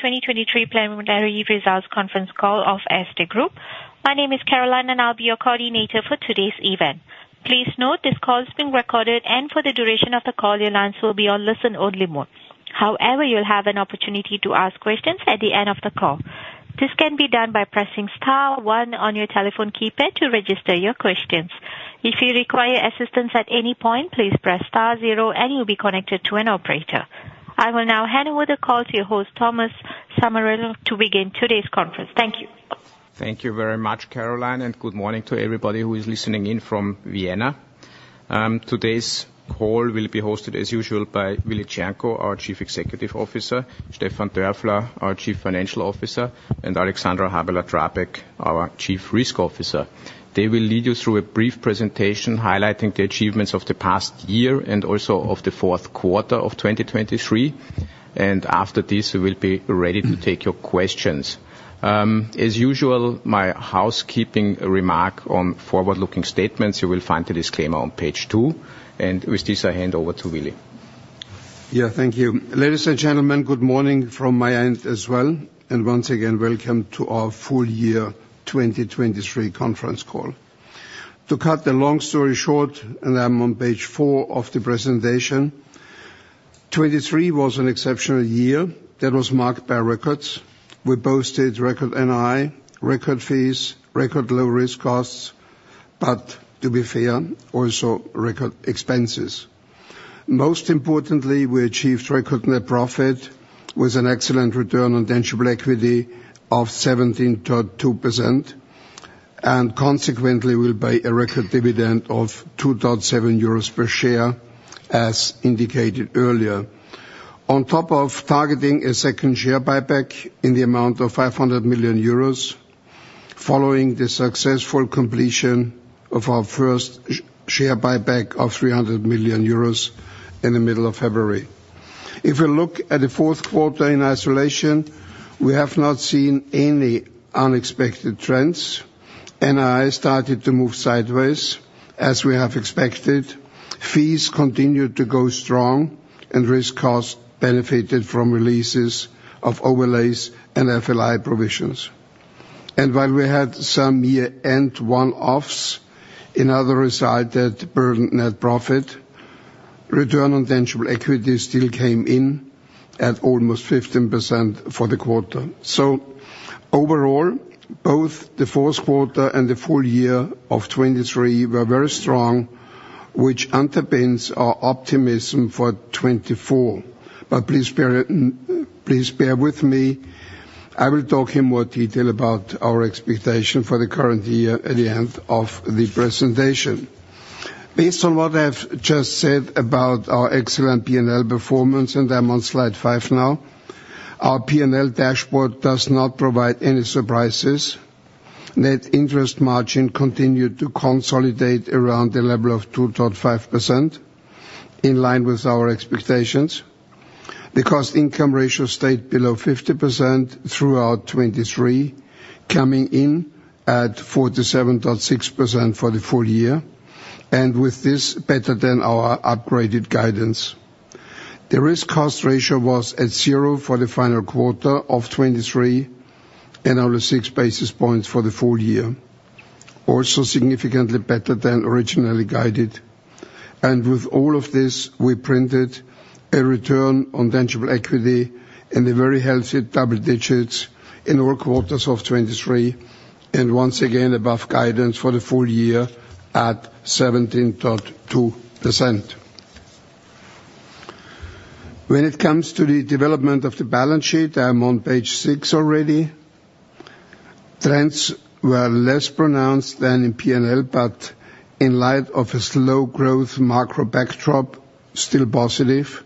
2023 Preliminary Results Conference Call of Erste Group. My name is Caroline, and I'll be your coordinator for today's event. Please note this call is being recorded, and for the duration of the call, your lines will be on listen-only mode. However, you'll have an opportunity to ask questions at the end of the call. This can be done by pressing star one on your telephone keypad to register your questions. If you require assistance at any point, please press star zero, and you'll be connected to an operator. I will now hand over the call to your host, Thomas Sommerauer, to begin today's conference. Thank you. Thank you very much, Caroline, and good morning to everybody who is listening in from Vienna. Today's call will be hosted, as usual, by Willibald Cernko, our Chief Executive Officer, Stefan Dörfler, our Chief Financial Officer, and Alexandra Habeler-Drabek, our Chief Risk Officer. They will lead you through a brief presentation highlighting the achievements of the past year and also of the fourth quarter of 2023, and after this, we will be ready to take your questions. As usual, my housekeeping remark on forward-looking statements you will find a disclaimer on page 2, and with this, I hand over to Willi. Yeah, thank you. Ladies and gentlemen, good morning from my end as well, and once again, welcome to our full-year 2023 conference call. To cut the long story short, and I'm on page 4 of the presentation, 2023 was an exceptional year that was marked by records. We boasted record NII, record fees, record low-risk costs, but to be fair, also record expenses. Most importantly, we achieved record net profit with an excellent return on tangible equity of 17.2%, and consequently will pay a record dividend of 2.7 euros per share, as indicated earlier. On top of targeting a second share buyback in the amount of 500 million euros following the successful completion of our first share buyback of 300 million euros in the middle of February. If we look at the fourth quarter in isolation, we have not seen any unexpected trends. NII started to move sideways, as we have expected. Fees continued to go strong, and risk costs benefited from releases of overlays and FLI provisions. While we had some year-end one-offs, that resulted in a burden on net profit. Return on tangible equity still came in at almost 15% for the quarter. Overall, both the fourth quarter and the full year of 2023 were very strong, which underpins our optimism for 2024. But please bear with me. I will talk in more detail about our expectation for the current year at the end of the presentation. Based on what I've just said about our excellent P&L performance, and I'm on slide 5 now, our P&L dashboard does not provide any surprises. Net interest margin continued to consolidate around the level of 2.5%, in line with our expectations. The cost-income ratio stayed below 50% throughout 2023, coming in at 47.6% for the full year, and with this, better than our upgraded guidance. The risk-cost ratio was at zero for the final quarter of 2023, and only 6 basis points for the full year, also significantly better than originally guided. With all of this, we printed a return on tangible equity in the very healthy double digits in all quarters of 2023, and once again, above guidance for the full year at 17.2%. When it comes to the development of the balance sheet, I'm on page 6 already. Trends were less pronounced than in P&L, but in light of a slow growth macro backdrop, still positive.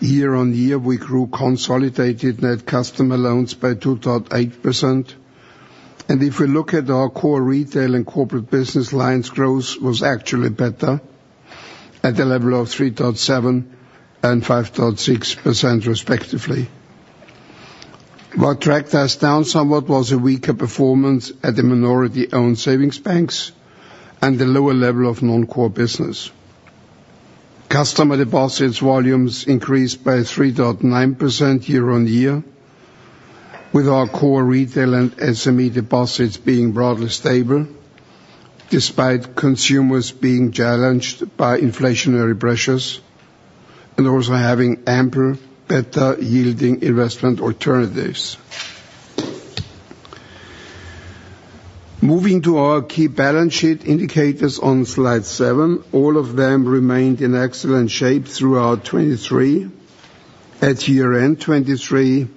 Year-on-year, we grew consolidated net customer loans by 2.8%, and if we look at our core retail and corporate business lines, growth was actually better, at the level of 3.7% and 5.6%, respectively. What tracked us down somewhat was a weaker performance at the minority-owned savings banks and the lower level of non-core business. Customer deposits volumes increased by 3.9% year-on-year, with our core retail and SME deposits being broadly stable, despite consumers being challenged by inflationary pressures and also having higher, better-yielding investment alternatives. Moving to our key balance sheet indicators on slide 7, all of them remained in excellent shape throughout 2023. At year-end 2023,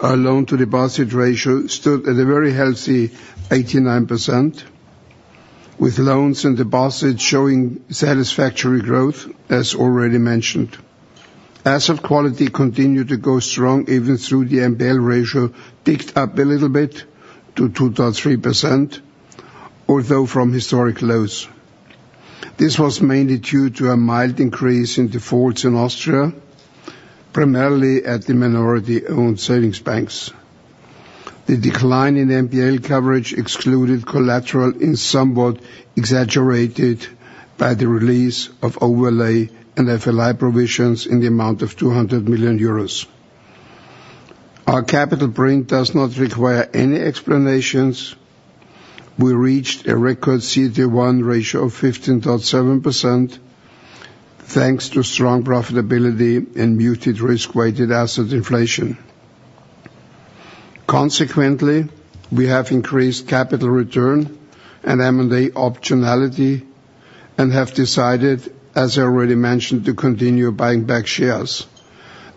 our loan-to-deposit ratio stood at a very healthy 89%, with loans and deposits showing satisfactory growth, as already mentioned. Asset quality continued to go strong even though the NPL ratio picked up a little bit to 2.3%, although from historic lows. This was mainly due to a mild increase in defaults in Austria, primarily at the minority-owned savings banks. The decline in NPL coverage excluded collateral is somewhat exaggerated by the release of overlay and FLI provisions in the amount of 200 million euros. Our capital print does not require any explanations. We reached a record CET1 ratio of 15.7%, thanks to strong profitability and muted risk-weighted asset inflation. Consequently, we have increased capital return and M&A optionality and have decided, as I already mentioned, to continue buying back shares.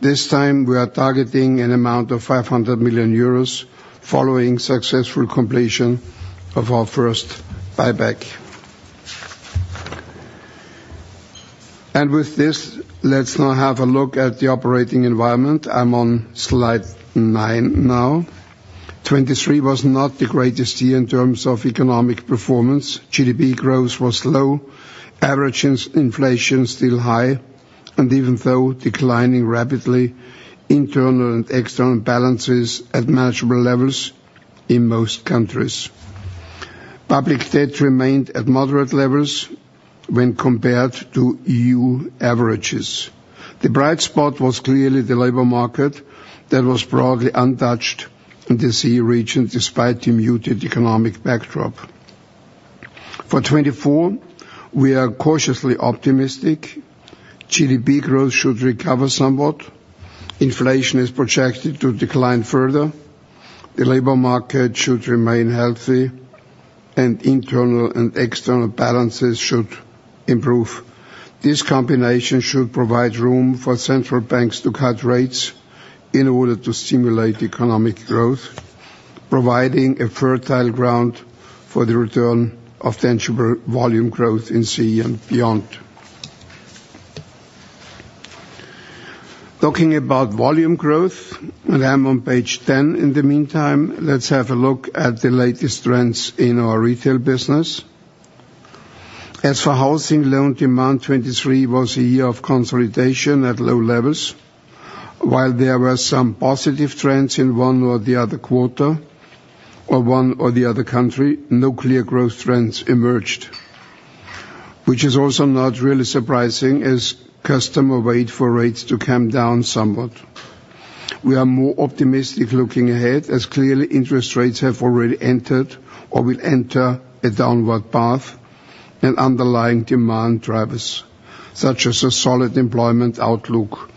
This time, we are targeting an amount of 500 million euros following successful completion of our first buyback. And with this, let's now have a look at the operating environment. I'm on slide 9 now. 2023 was not the greatest year in terms of economic performance. GDP growth was low, average inflation still high, and even though declining rapidly, internal and external balances at manageable levels in most countries. Public debt remained at moderate levels when compared to EU averages. The bright spot was clearly the labor market that was broadly untouched in the CE region, despite the muted economic backdrop. For 2024, we are cautiously optimistic. GDP growth should recover somewhat. Inflation is projected to decline further. The labor market should remain healthy, and internal and external balances should improve. This combination should provide room for central banks to cut rates in order to stimulate economic growth, providing a fertile ground for the return of tangible volume growth in CE and beyond. Talking about volume growth, and I'm on page 10 in the meantime, let's have a look at the latest trends in our retail business. As for housing loan demand, 2023 was a year of consolidation at low levels. While there were some positive trends in one or the other quarter or one or the other country, no clear growth trends emerged, which is also not really surprising, as customers wait for rates to come down somewhat. We are more optimistic looking ahead, as clearly interest rates have already entered or will enter a downward path, and underlying demand drivers, such as a solid employment outlook,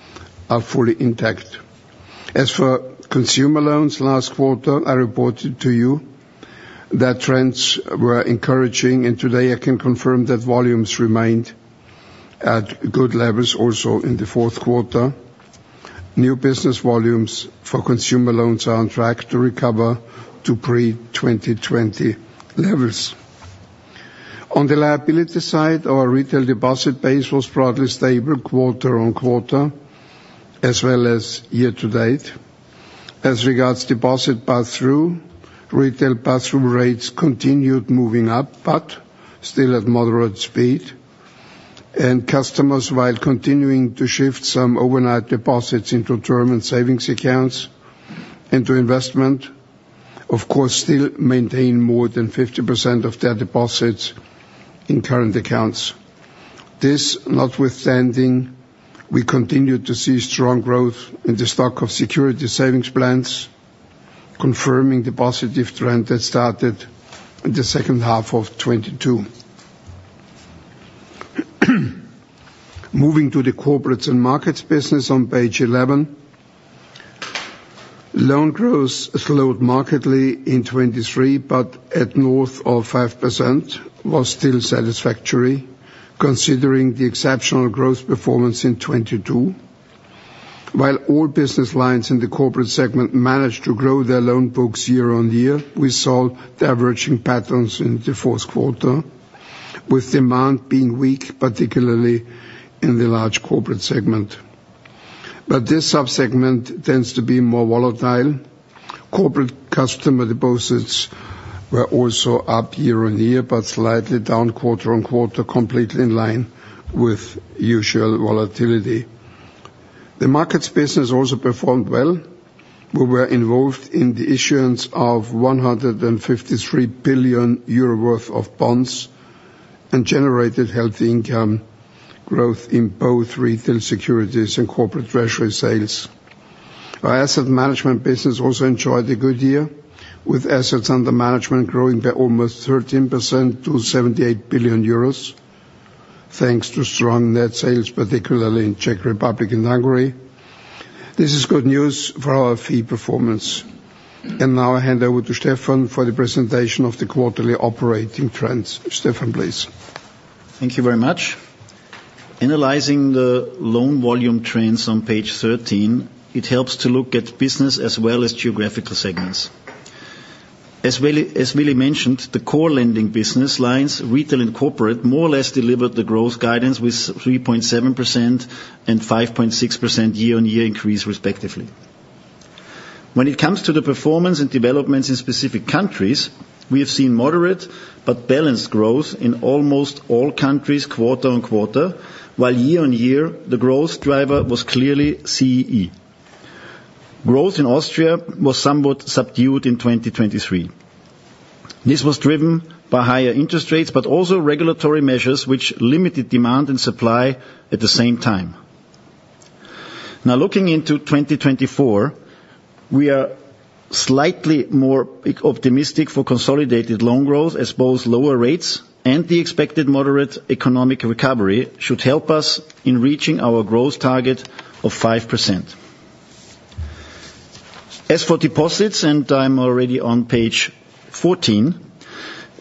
are fully intact. As for consumer loans, last quarter, I reported to you that trends were encouraging, and today I can confirm that volumes remained at good levels also in the fourth quarter. New business volumes for consumer loans are on track to recover to pre-2020 levels. On the liability side, our retail deposit base was broadly stable quarter-on-quarter, as well as year-to-date. As regards deposit pass-through, retail pass-through rates continued moving up, but still at moderate speed, and customers, while continuing to shift some overnight deposits into term and savings accounts and to investment, of course, still maintain more than 50% of their deposits in current accounts. This, notwithstanding, we continue to see strong growth in the stock of securities savings plans, confirming the positive trend that started in the second half of 2022. Moving to the Corporates and Markets business on page 11, loan growth slowed markedly in 2023, but at north of 5% was still satisfactory, considering the exceptional growth performance in 2022. While all business lines in the corporate segment managed to grow their loan books year-on-year, we saw diverging patterns in the fourth quarter, with demand being weak, particularly in the large corporate segment. But this subsegment tends to be more volatile. Corporate customer deposits were also up year-on-year, but slightly down quarter-on-quarter, completely in line with usual volatility. The markets business also performed well. We were involved in the issuance of 153 billion euro worth of bonds and generated healthy income growth in both retail securities and corporate treasury sales. Our asset management business also enjoyed a good year, with assets under management growing by almost 13% to 78 billion euros, thanks to strong net sales, particularly in Czech Republic and Hungary. This is good news for our fee performance. Now I hand over to Stefan for the presentation of the quarterly operating trends. Stefan, please. Thank you very much. Analyzing the loan volume trends on page 13, it helps to look at business as well as geographical segments. As Willi mentioned, the core lending business lines, retail and corporate, more or less delivered the growth guidance with 3.7% and 5.6% year-on-year increase, respectively. When it comes to the performance and developments in specific countries, we have seen moderate but balanced growth in almost all countries quarter-on-quarter, while year-on-year, the growth driver was clearly CEE. Growth in Austria was somewhat subdued in 2023. This was driven by higher interest rates, but also regulatory measures, which limited demand and supply at the same time. Now, looking into 2024, we are slightly more optimistic for consolidated loan growth, as both lower rates and the expected moderate economic recovery should help us in reaching our growth target of 5%. As for deposits, and I'm already on page 14,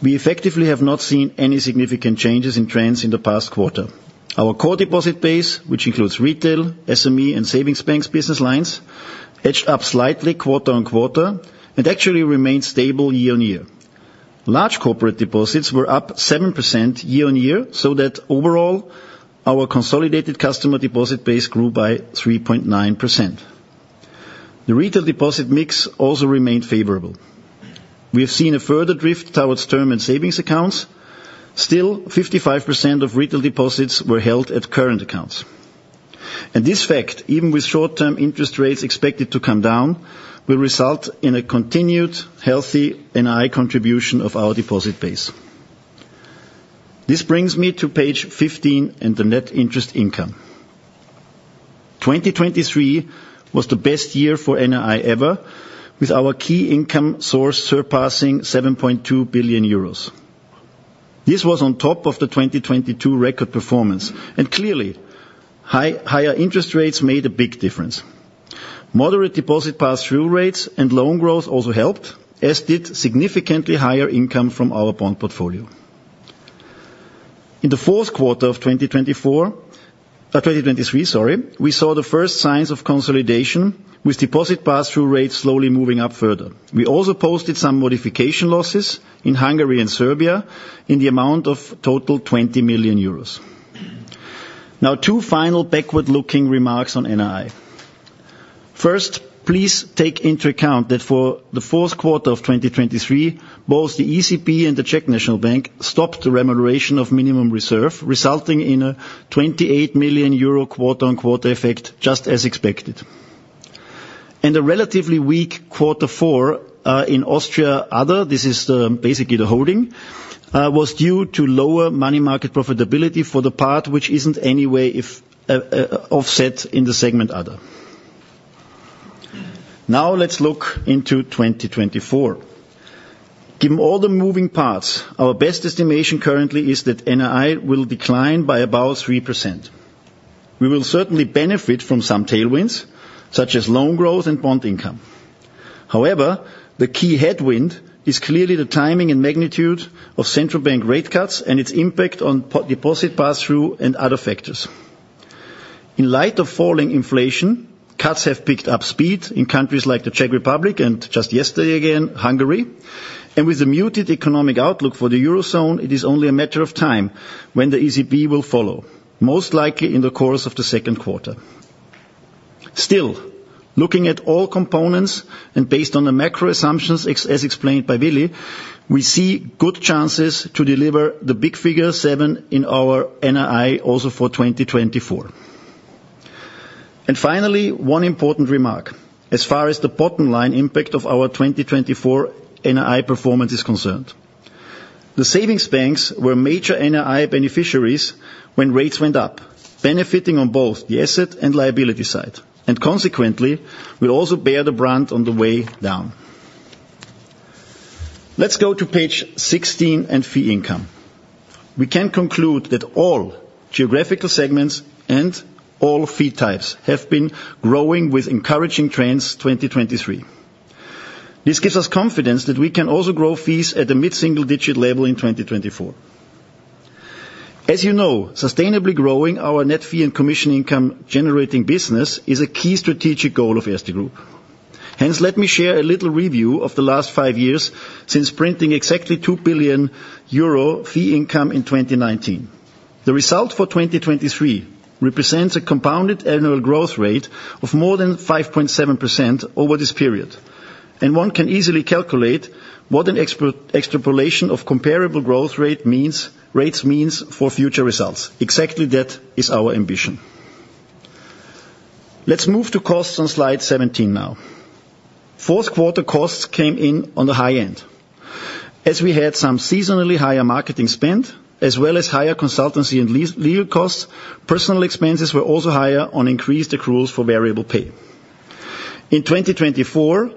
we effectively have not seen any significant changes in trends in the past quarter. Our core deposit base, which includes retail, SME, and savings banks business lines, edged up slightly quarter-on-quarter and actually remained stable year-on-year. Large corporate deposits were up 7% year-on-year, so that overall, our consolidated customer deposit base grew by 3.9%. The retail deposit mix also remained favorable. We have seen a further drift towards term and savings accounts. Still, 55% of retail deposits were held at current accounts. This fact, even with short-term interest rates expected to come down, will result in a continued healthy NII contribution of our deposit base. This brings me to page 15 and the net interest income. 2023 was the best year for NII ever, with our key income source surpassing 7.2 billion euros. This was on top of the 2022 record performance, and clearly, higher interest rates made a big difference. Moderate deposit pass-through rates and loan growth also helped, as did significantly higher income from our bond portfolio. In the fourth quarter of 2023, sorry, we saw the first signs of consolidation, with deposit pass-through rates slowly moving up further. We also posted some modification losses in Hungary and Serbia in the amount of total 20 million euros. Now, two final backward-looking remarks on NII. First, please take into account that for the fourth quarter of 2023, both the ECB and the Czech National Bank stopped the remuneration of minimum reserve, resulting in a 28 million euro quarter-over-quarter effect, just as expected. A relatively weak quarter four in Austria Other, this is basically the holding, was due to lower money market profitability for the part, which isn't anyway offset in the segment Other. Now, let's look into 2024. Given all the moving parts, our best estimation currently is that NII will decline by about 3%. We will certainly benefit from some tailwinds, such as loan growth and bond income. However, the key headwind is clearly the timing and magnitude of central bank rate cuts and its impact on deposit pass-through and other factors. In light of falling inflation, cuts have picked up speed in countries like the Czech Republic and, just yesterday again, Hungary. With the muted economic outlook for the eurozone, it is only a matter of time when the ECB will follow, most likely in the course of the second quarter. Still, looking at all components and based on the macro assumptions, as explained by Willi, we see good chances to deliver the big figure 7 in our NII also for 2024. Finally, one important remark as far as the bottom line impact of our 2024 NII performance is concerned. The savings banks were major NII beneficiaries when rates went up, benefiting on both the asset and liability side, and consequently, will also bear the brunt on the way down. Let's go to page 16 and fee income. We can conclude that all geographical segments and all fee types have been growing with encouraging trends 2023. This gives us confidence that we can also grow fees at the mid-single digit level in 2024. As you know, sustainably growing our net fee and commission income generating business is a key strategic goal of Erste Group. Hence, let me share a little review of the last five years since printing exactly 2 billion euro fee income in 2019. The result for 2023 represents a compounded annual growth rate of more than 5.7% over this period. One can easily calculate what an extrapolation of comparable growth rate means for future results. Exactly that is our ambition. Let's move to costs on slide 17 now. Fourth quarter costs came in on the high end. As we had some seasonally higher marketing spend, as well as higher consultancy and legal costs. Personnel expenses were also higher on increased accruals for variable pay. In 2024,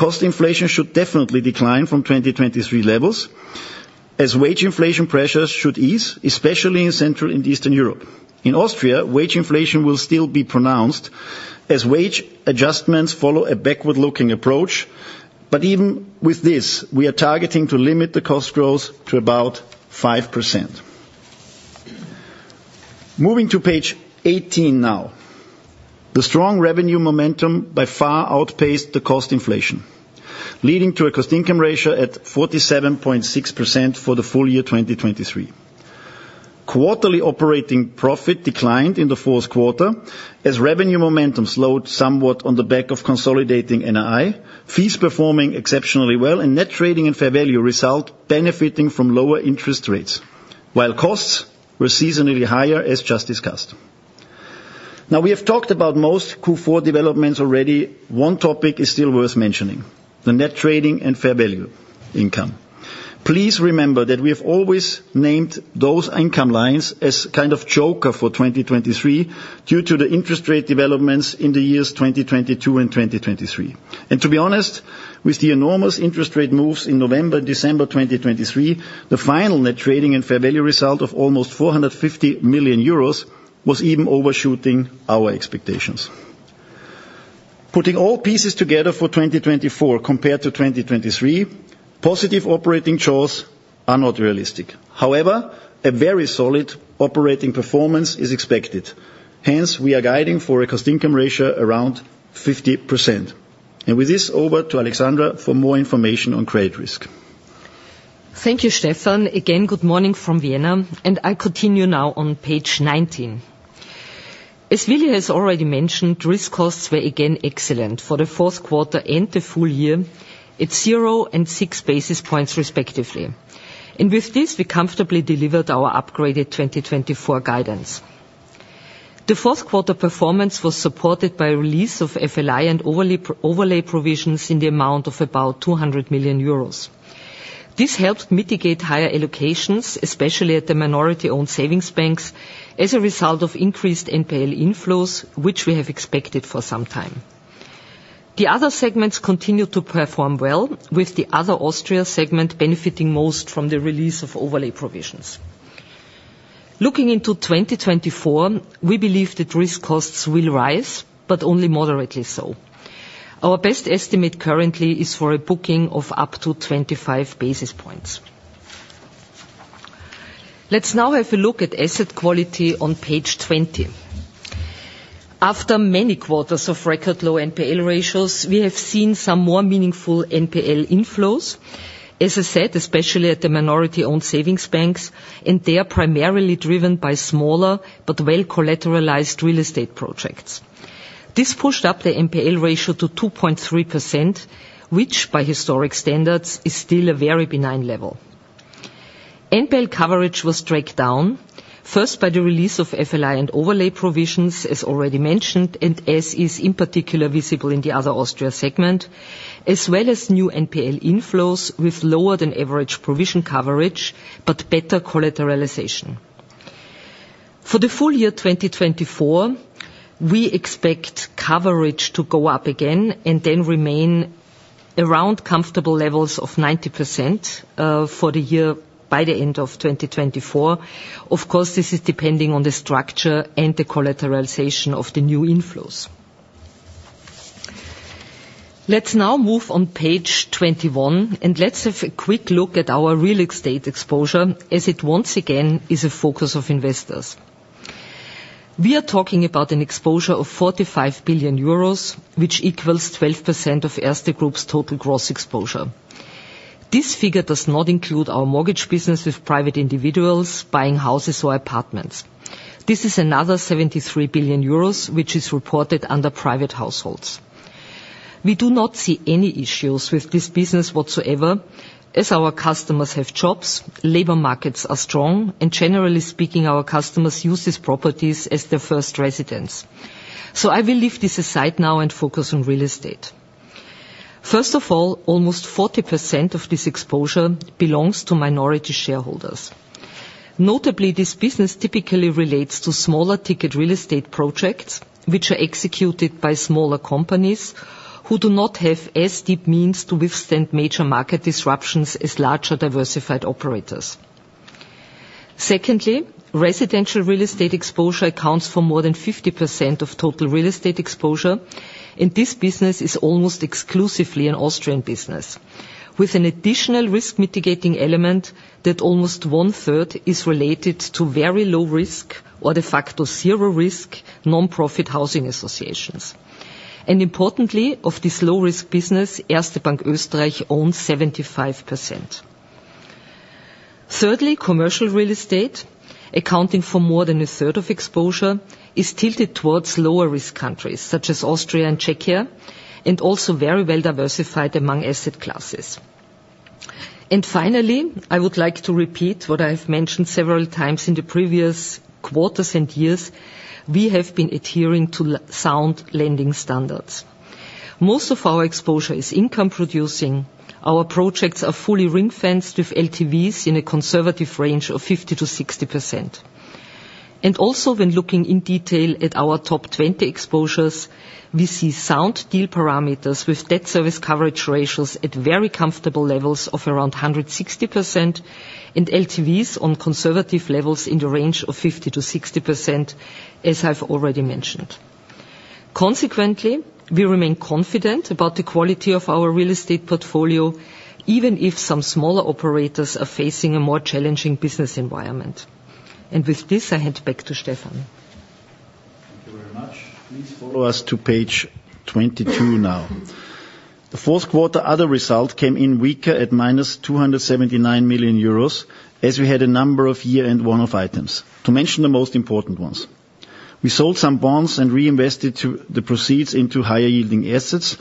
cost inflation should definitely decline from 2023 levels, as wage inflation pressures should ease, especially in Central and Eastern Europe. In Austria, wage inflation will still be pronounced, as wage adjustments follow a backward-looking approach. But even with this, we are targeting to limit the cost growth to about 5%. Moving to page 18 now. The strong revenue momentum by far outpaced the cost inflation, leading to a cost-income ratio at 47.6% for the full year 2023. Quarterly operating profit declined in the fourth quarter as revenue momentum slowed somewhat on the back of consolidating NII, fees performing exceptionally well, and net trading and fair value result benefiting from lower interest rates, while costs were seasonally higher, as just discussed. Now, we have talked about most Q4 developments already. One topic is still worth mentioning: the net trading and fair value income. Please remember that we have always named those income lines as a kind of joker for 2023 due to the interest rate developments in the years 2022 and 2023. To be honest, with the enormous interest rate moves in November and December 2023, the final net trading and fair value result of almost 450 million euros was even overshooting our expectations. Putting all pieces together for 2024 compared to 2023, positive operating growth is not realistic. However, a very solid operating performance is expected. Hence, we are guiding for a cost-income ratio around 50%. With this, over to Alexandra for more information on credit risk. Thank you, Stefan. Again, good morning from Vienna. I continue now on page 19. As Willi has already mentioned, risk costs were again excellent for the fourth quarter and the full year. It's 0 and 6 basis points, respectively. With this, we comfortably delivered our upgraded 2024 guidance. The fourth quarter performance was supported by a release of FLI and overlay provisions in the amount of about 200 million euros. This helped mitigate higher allocations, especially at the minority-owned savings banks, as a result of increased NPL inflows, which we have expected for some time. The other segments continued to perform well, with the Other Austria segment benefiting most from the release of overlay provisions. Looking into 2024, we believe that risk costs will rise, but only moderately so. Our best estimate currently is for a booking of up to 25 basis points. Let's now have a look at asset quality on page 20. After many quarters of record low NPL ratios, we have seen some more meaningful NPL inflows, as I said, especially at the minority-owned savings banks, and they are primarily driven by smaller but well-collateralized real estate projects. This pushed up the NPL ratio to 2.3%, which, by historic standards, is still a very benign level. NPL coverage was dragged down, first by the release of FLI and overlay provisions, as already mentioned, and as is in particular visible in the other Austria segment, as well as new NPL inflows with lower-than-average provision coverage but better collateralization. For the full year 2024, we expect coverage to go up again and then remain around comfortable levels of 90% by the end of 2024. Of course, this is depending on the structure and the collateralization of the new inflows. Let's now move on page 21, and let's have a quick look at our real estate exposure, as it once again is a focus of investors. We are talking about an exposure of 45 billion euros, which equals 12% of Erste Group's total gross exposure. This figure does not include our mortgage business with private individuals buying houses or apartments. This is another 73 billion euros, which is reported under private households. We do not see any issues with this business whatsoever, as our customers have jobs, labor markets are strong, and generally speaking, our customers use these properties as their first residence. So I will leave this aside now and focus on real estate. First of all, almost 40% of this exposure belongs to minority shareholders. Notably, this business typically relates to smaller ticket real estate projects, which are executed by smaller companies who do not have as deep means to withstand major market disruptions as larger diversified operators. Secondly, residential real estate exposure accounts for more than 50% of total real estate exposure, and this business is almost exclusively an Austrian business, with an additional risk mitigating element that almost one-third is related to very low-risk or de facto zero-risk nonprofit housing associations. Importantly, of this low-risk business, Erste Bank Österreich owns 75%. Thirdly, commercial real estate, accounting for more than 1/3 of exposure, is tilted towards lower-risk countries such as Austria and Czechia and also very well diversified among asset classes. Finally, I would like to repeat what I have mentioned several times in the previous quarters and years. We have been adhering to sound lending standards. Most of our exposure is income-producing. Our projects are fully ring-fenced with LTVs in a conservative range of 50%-60%. Also, when looking in detail at our top 20 exposures, we see sound deal parameters with debt service coverage ratios at very comfortable levels of around 160% and LTVs on conservative levels in the range of 50%-60%, as I've already mentioned. Consequently, we remain confident about the quality of our real estate portfolio, even if some smaller operators are facing a more challenging business environment. With this, I hand back to Stefan. Thank you very much. Please follow us to page 22 now. The fourth quarter other result came in weaker at -279 million euros, as we had a number of year-end one-off items, to mention the most important ones. We sold some bonds and reinvested the proceeds into higher-yielding assets.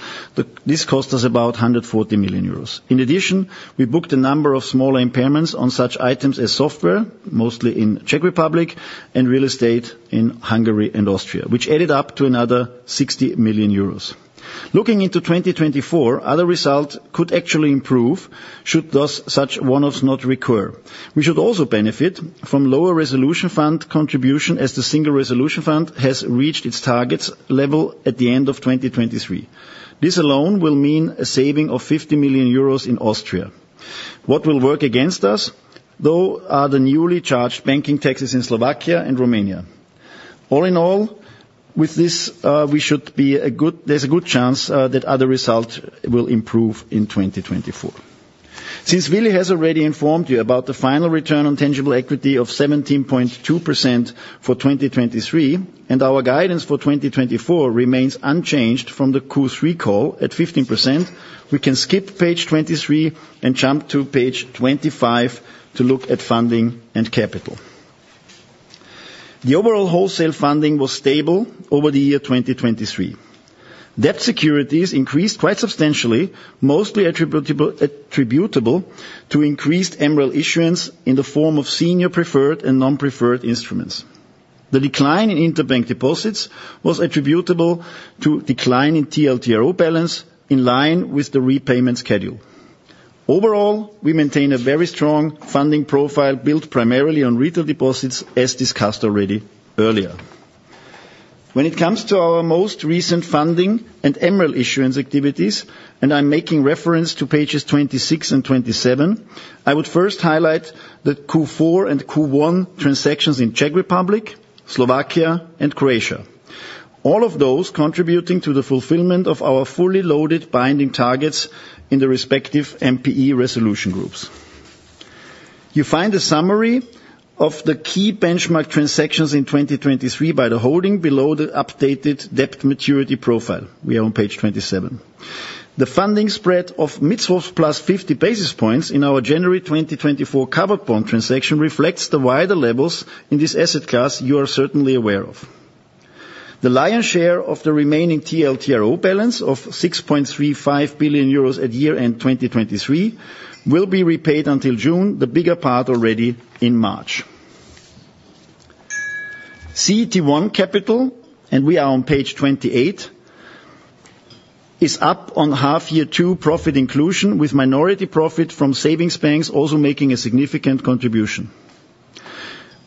This cost us about 140 million euros. In addition, we booked a number of smaller impairments on such items as software, mostly in Czech Republic, and real estate in Hungary and Austria, which added up to another 60 million euros. Looking into 2024, other result could actually improve should such one-offs not recur. We should also benefit from lower resolution fund contribution as the Single Resolution Fund has reached its target level at the end of 2023. This alone will mean a saving of 50 million euros in Austria. What will work against us, though, are the newly charged banking taxes in Slovakia and Romania. All in all, with this, there's a good chance that other result will improve in 2024. Since Willi has already informed you about the final return on tangible equity of 17.2% for 2023 and our guidance for 2024 remains unchanged from the Q3 call at 15%, we can skip page 23 and jump to page 25 to look at funding and capital. The overall wholesale funding was stable over the year 2023. Debt securities increased quite substantially, mostly attributable to increased MREL issuance in the form of senior preferred and non-preferred instruments. The decline in interbank deposits was attributable to decline in TLTRO balance in line with the repayment schedule. Overall, we maintain a very strong funding profile built primarily on retail deposits, as discussed already earlier. When it comes to our most recent funding and MREL issuance activities, and I'm making reference to pages 26 and 27, I would first highlight the Q4 and Q1 transactions in Czech Republic, Slovakia, and Croatia, all of those contributing to the fulfillment of our fully loaded binding targets in the respective MREL resolution groups. You find a summary of the key benchmark transactions in 2023 by the holding below the updated debt maturity profile. We are on page 27. The funding spread of mid-swaps plus 50 basis points in our January 2024 covered bond transaction reflects the wider levels in this asset class you are certainly aware of. The lion's share of the remaining TLTRO balance of 6.35 billion euros at year-end 2023 will be repaid until June, the bigger part already in March. CET1 capital, and we are on page 28, is up on half-year two profit inclusion, with minority profit from savings banks also making a significant contribution.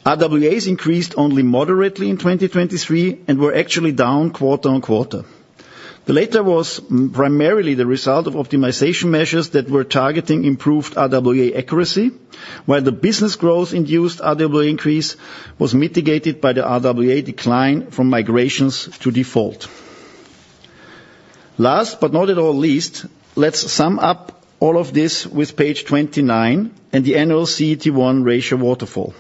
RWAs increased only moderately in 2023 and were actually down quarter-on-quarter. The latter was primarily the result of optimization measures that were targeting improved RWA accuracy, while the business growth-induced RWA increase was mitigated by the RWA decline from migrations to default. Last but not least, let's sum up all of this with page 29 and the annual CET1 ratio waterfall.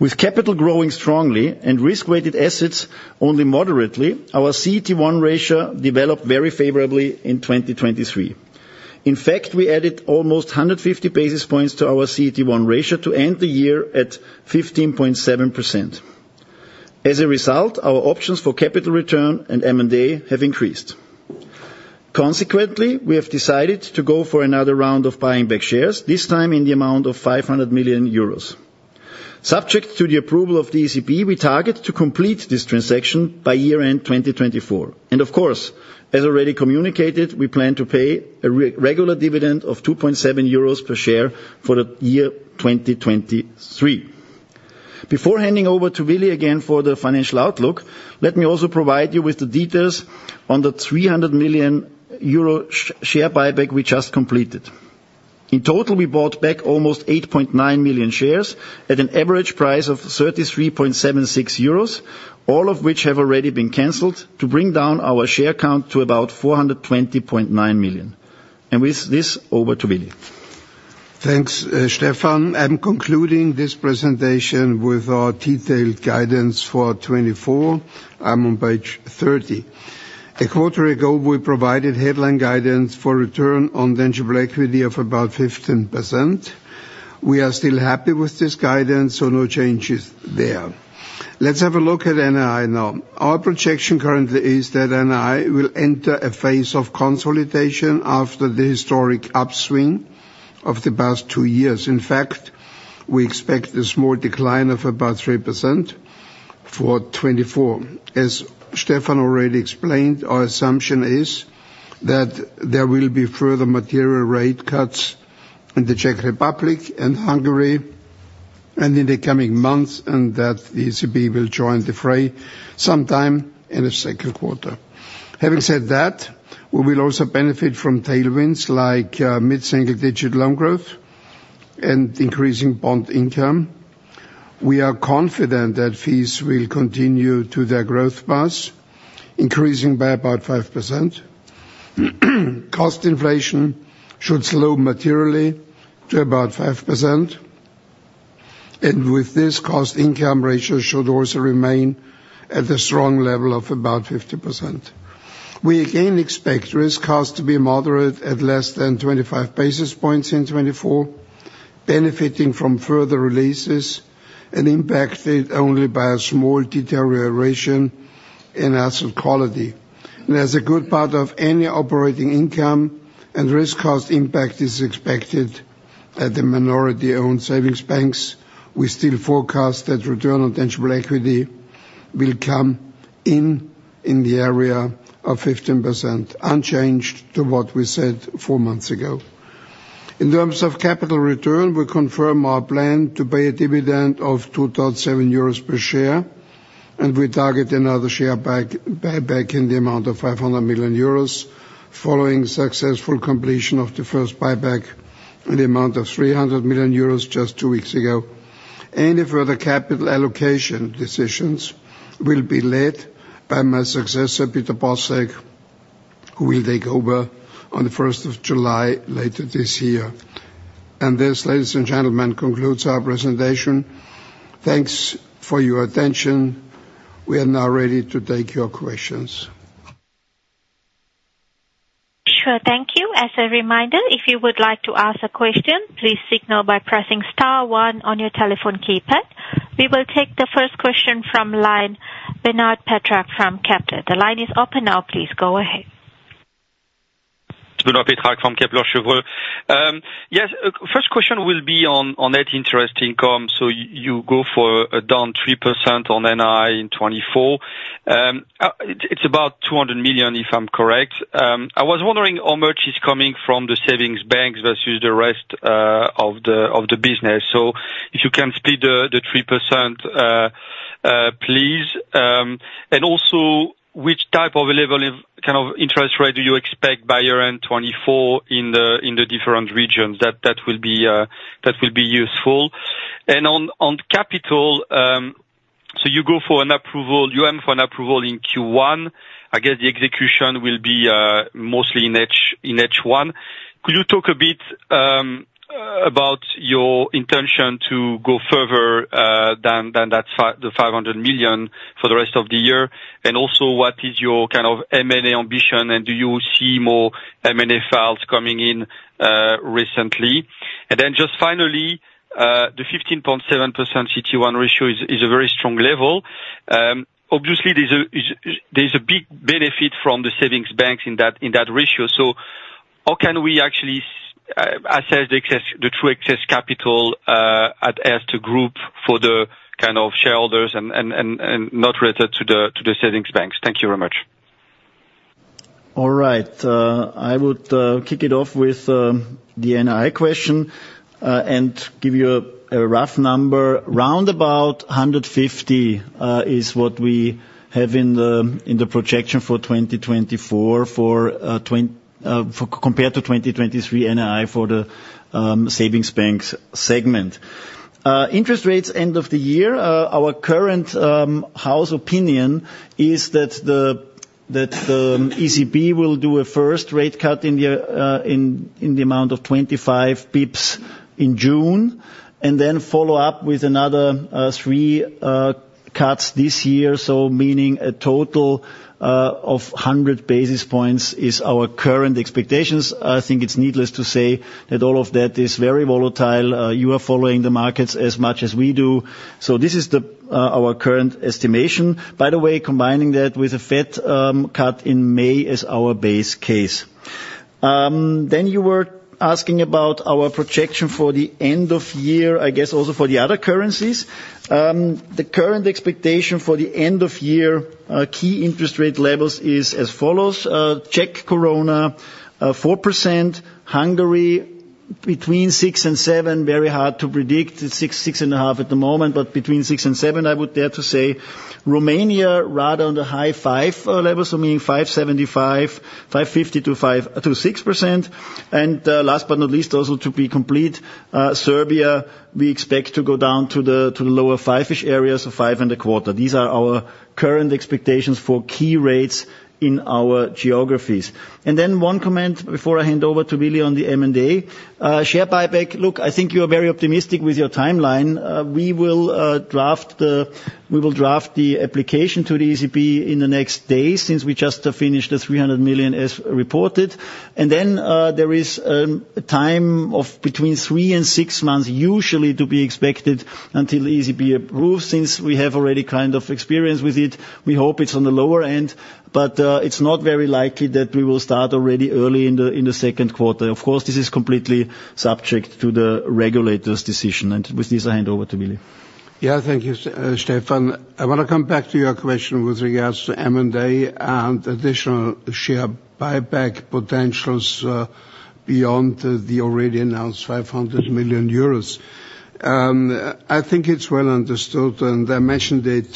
With capital growing strongly and risk-weighted assets only moderately, our CET1 ratio developed very favorably in 2023. In fact, we added almost 150 basis points to our CET1 ratio to end the year at 15.7%. As a result, our options for capital return and M&A have increased. Consequently, we have decided to go for another round of buying back shares, this time in the amount of 500 million euros. Subject to the approval of the ECB, we target to complete this transaction by year-end 2024. And of course, as already communicated, we plan to pay a regular dividend of 2.7 euros per share for the year 2023. Before handing over to Willi again for the financial outlook, let me also provide you with the details on the 300 million euro share buyback we just completed. In total, we bought back almost 8.9 million shares at an average price of 33.76 euros, all of which have already been canceled to bring down our share count to about 420.9 million. And with this, over to Willi. Thanks, Stefan. I'm concluding this presentation with our detailed guidance for 2024. I'm on page 30. A quarter ago, we provided headline guidance for return on tangible equity of about 15%. We are still happy with this guidance, so no changes there. Let's have a look at NII now. Our projection currently is that NII will enter a phase of consolidation after the historic upswing of the past two years. In fact, we expect a small decline of about 3% for 2024. As Stefan already explained, our assumption is that there will be further material rate cuts in the Czech Republic and Hungary and in the coming months and that the ECB will join the fray sometime in the second quarter. Having said that, we will also benefit from tailwinds like mid-single-digit loan growth and increasing bond income. We are confident that fees will continue to their growth paths, increasing by about 5%. Cost inflation should slow materially to about 5%, and with this, cost-income ratio should also remain at a strong level of about 50%. We again expect risk cost to be moderate at less than 25 basis points in 2024, benefiting from further releases and impacted only by a small deterioration in asset quality. And as a good part of any operating income and risk cost impact is expected at the minority-owned savings banks, we still forecast that return on tangible equity will come in in the area of 15%, unchanged to what we said four months ago. In terms of capital return, we confirm our plan to pay a dividend of 2.7 euros per share, and we target another share buyback in the amount of 500 million euros following successful completion of the first buyback in the amount of 300 million euros just two weeks ago. Any further capital allocation decisions will be led by my successor, Peter Bosek, who will take over on July 1st later this year. And this, ladies and gentlemen, concludes our presentation. Thanks for your attention. We are now ready to take your questions. Sure. Thank you. As a reminder, if you would like to ask a question, please signal by pressing star one on your telephone keypad. We will take the first question from line Benoît Pétrarque from Kepler Cheuvreux. The line is open now. Please go ahead. It's Benoît Pétrarque from Kepler Cheuvreux. Yes, first question will be on net interest income. So you go for down 3% on NII in 2024. It's about 200 million, if I'm correct. I was wondering how much is coming from the savings banks versus the rest of the business. So if you can split the 3%, please. And also, which type of level of kind of interest rate do you expect by year-end 2024 in the different regions? That will be useful. And on capital, so you go for an approval. You aim for an approval in Q1. I guess the execution will be mostly in H1. Could you talk a bit about your intention to go further than the 500 million for the rest of the year? And also, what is your kind of M&A ambition, and do you see more M&A files coming in recently? And then just finally, the 15.7% CET1 ratio is a very strong level. Obviously, there's a big benefit from the savings banks in that ratio. So how can we actually assess the true excess capital at Erste Group for the kind of shareholders and not related to the savings banks? Thank you very much. All right. I would kick it off with the NII question and give you a rough number. Round about 150 is what we have in the projection for 2024 compared to 2023 NII for the savings banks segment. Interest rates end of the year, our current in-house opinion is that the ECB will do a first rate cut in the amount of 25 basis points in June and then follow up with another three cuts this year, so meaning a total of 100 basis points is our current expectations. I think it's needless to say that all of that is very volatile. You are following the markets as much as we do. So this is our current estimation, by the way, combining that with a Fed cut in May as our base case. Then you were asking about our projection for the end of year, I guess, also for the other currencies. The current expectation for the end of year key interest rate levels is as follows: Czech koruna, 4%; Hungary, between 6% and 7%, very hard to predict, 6.5% at the moment, but between 6% and 7%, I would dare to say; Romania, rather on the high 5% levels, so meaning 5.75%, 5.50%-6%; and last but not least, also to be complete, Serbia, we expect to go down to the lower 5%-ish area, so 5.25%. These are our current expectations for key rates in our geographies. And then one comment before I hand over to Willi on the M&A: share buyback. Look, I think you are very optimistic with your timeline. We will draft the application to the ECB in the next days since we just finished the 300 million as reported. And then there is a time of between three and six months usually to be expected until the ECB approves. Since we have already kind of experience with it, we hope it's on the lower end, but it's not very likely that we will start already early in the second quarter. Of course, this is completely subject to the regulator's decision. And with this, I hand over to Willi. Yeah, thank you, Stefan. I want to come back to your question with regards to M&A and additional share buyback potentials beyond the already announced 500 million euros. I think it's well understood, and I mentioned it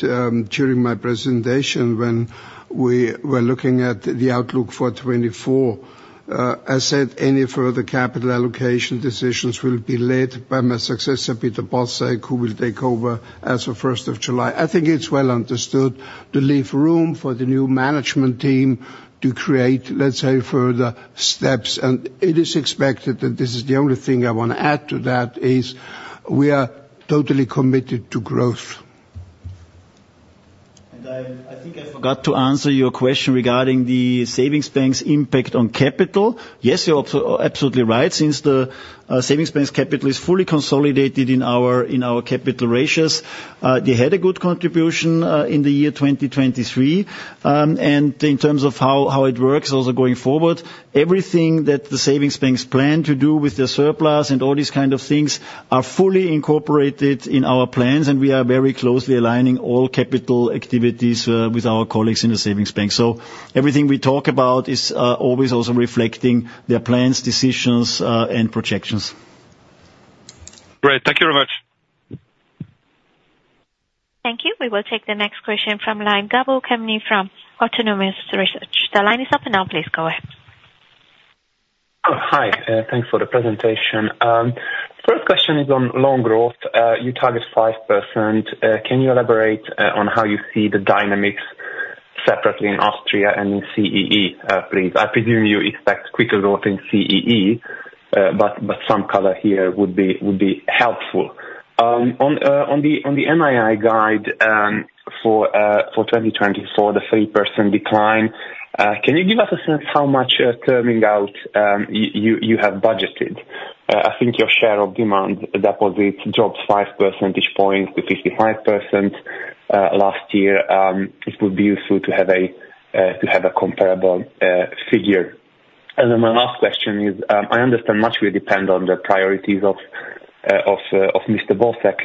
during my presentation when we were looking at the outlook for 2024. As said, any further capital allocation decisions will be led by my successor, Peter Bosek, who will take over as of 1st of July. I think it's well understood to leave room for the new management team to create, let's say, further steps. It is expected that this is the only thing I want to add to that is we are totally committed to growth. I think I forgot to answer your question regarding the savings banks' impact on capital. Yes, you're absolutely right. Since the savings banks' capital is fully consolidated in our capital ratios, they had a good contribution in the year 2023. And in terms of how it works also going forward, everything that the savings banks plan to do with their surplus and all these kind of things are fully incorporated in our plans, and we are very closely aligning all capital activities with our colleagues in the savings banks. So everything we talk about is always also reflecting their plans, decisions, and projections. Great. Thank you very much. Thank you. We will take the next question from line Gabor Kemeny from Autonomous Research. The line is open now. Please go ahead. Hi. Thanks for the presentation. First question is on loan growth. You target 5%. Can you elaborate on how you see the dynamics separately in Austria and in CEE, please? I presume you expect quicker growth in CEE, but some color here would be helpful. On the NII guide for 2024, the 3% decline, can you give us a sense how much turning out you have budgeted? I think your share of demand deposits drops 5 percentage points to 55% last year. It would be useful to have a comparable figure. And then my last question is, I understand much will depend on the priorities of Mr. Bosek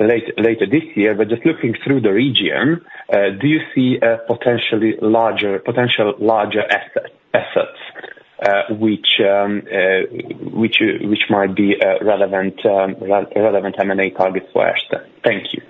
later this year, but just looking through the region, do you see potential larger assets which might be relevant M&A targets for Erste? Thank you.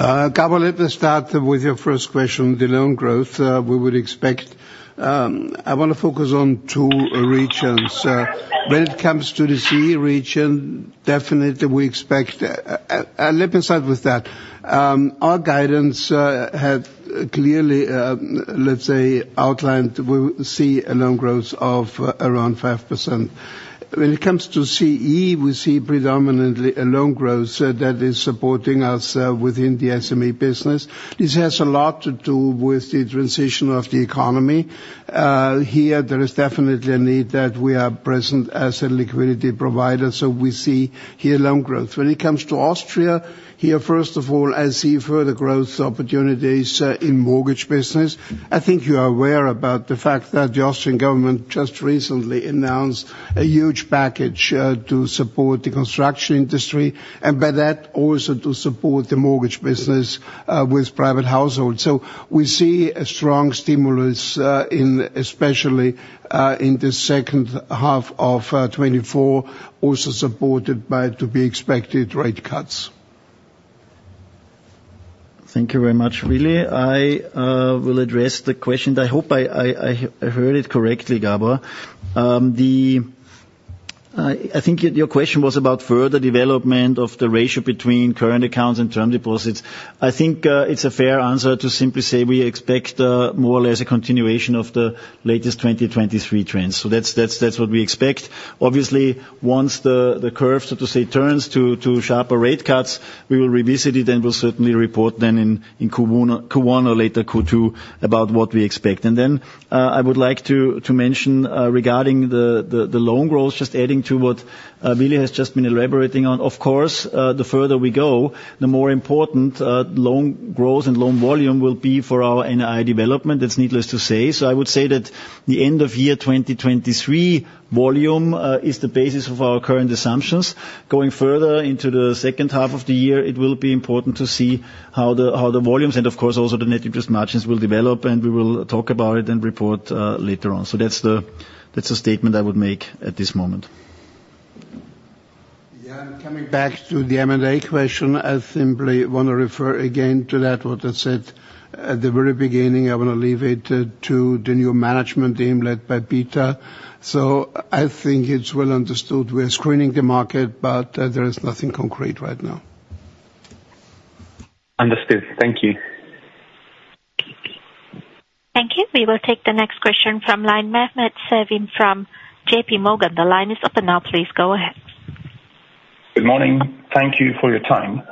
Gabor, let me start with your first question, the loan growth. I want to focus on two regions. When it comes to the CEE region, definitely, we expect—let me start with that. Our guidance had clearly, let's say, outlined we will see a loan growth of around 5%. When it comes to CEE, we see predominantly a loan growth that is supporting us within the SME business. This has a lot to do with the transition of the economy. Here, there is definitely a need that we are present as a liquidity provider, so we see here loan growth. When it comes to Austria, here, first of all, I see further growth opportunities in mortgage business. I think you are aware about the fact that the Austrian government just recently announced a huge package to support the construction industry and by that also to support the mortgage business with private households. We see strong stimulus especially in the second half of 2024, also supported by to be expected rate cuts. Thank you very much, Willi. I will address the question. I hope I heard it correctly, Gabor. I think your question was about further development of the ratio between current accounts and term deposits. I think it's a fair answer to simply say we expect more or less a continuation of the latest 2023 trends. So that's what we expect. Obviously, once the curve, so to say, turns to sharper rate cuts, we will revisit it and we'll certainly report then in Q1 or later Q2 about what we expect. And then I would like to mention regarding the loan growth, just adding to what Willi has just been elaborating on. Of course, the further we go, the more important loan growth and loan volume will be for our NII development. That's needless to say. So I would say that the end of year 2023 volume is the basis of our current assumptions. Going further into the second half of the year, it will be important to see how the volumes and, of course, also the net interest margins will develop, and we will talk about it and report later on. So that's the statement I would make at this moment. Yeah, and coming back to the M&A question, I simply want to refer again to that, what I said at the very beginning. I want to leave it to the new management team led by Peter. So I think it's well understood. We are screening the market, but there is nothing concrete right now. Understood. Thank you. Thank you. We will take the next question from line Mehmet Sevim from JPMorgan. The line is open now. Please go ahead. Good morning. Thank you for your time.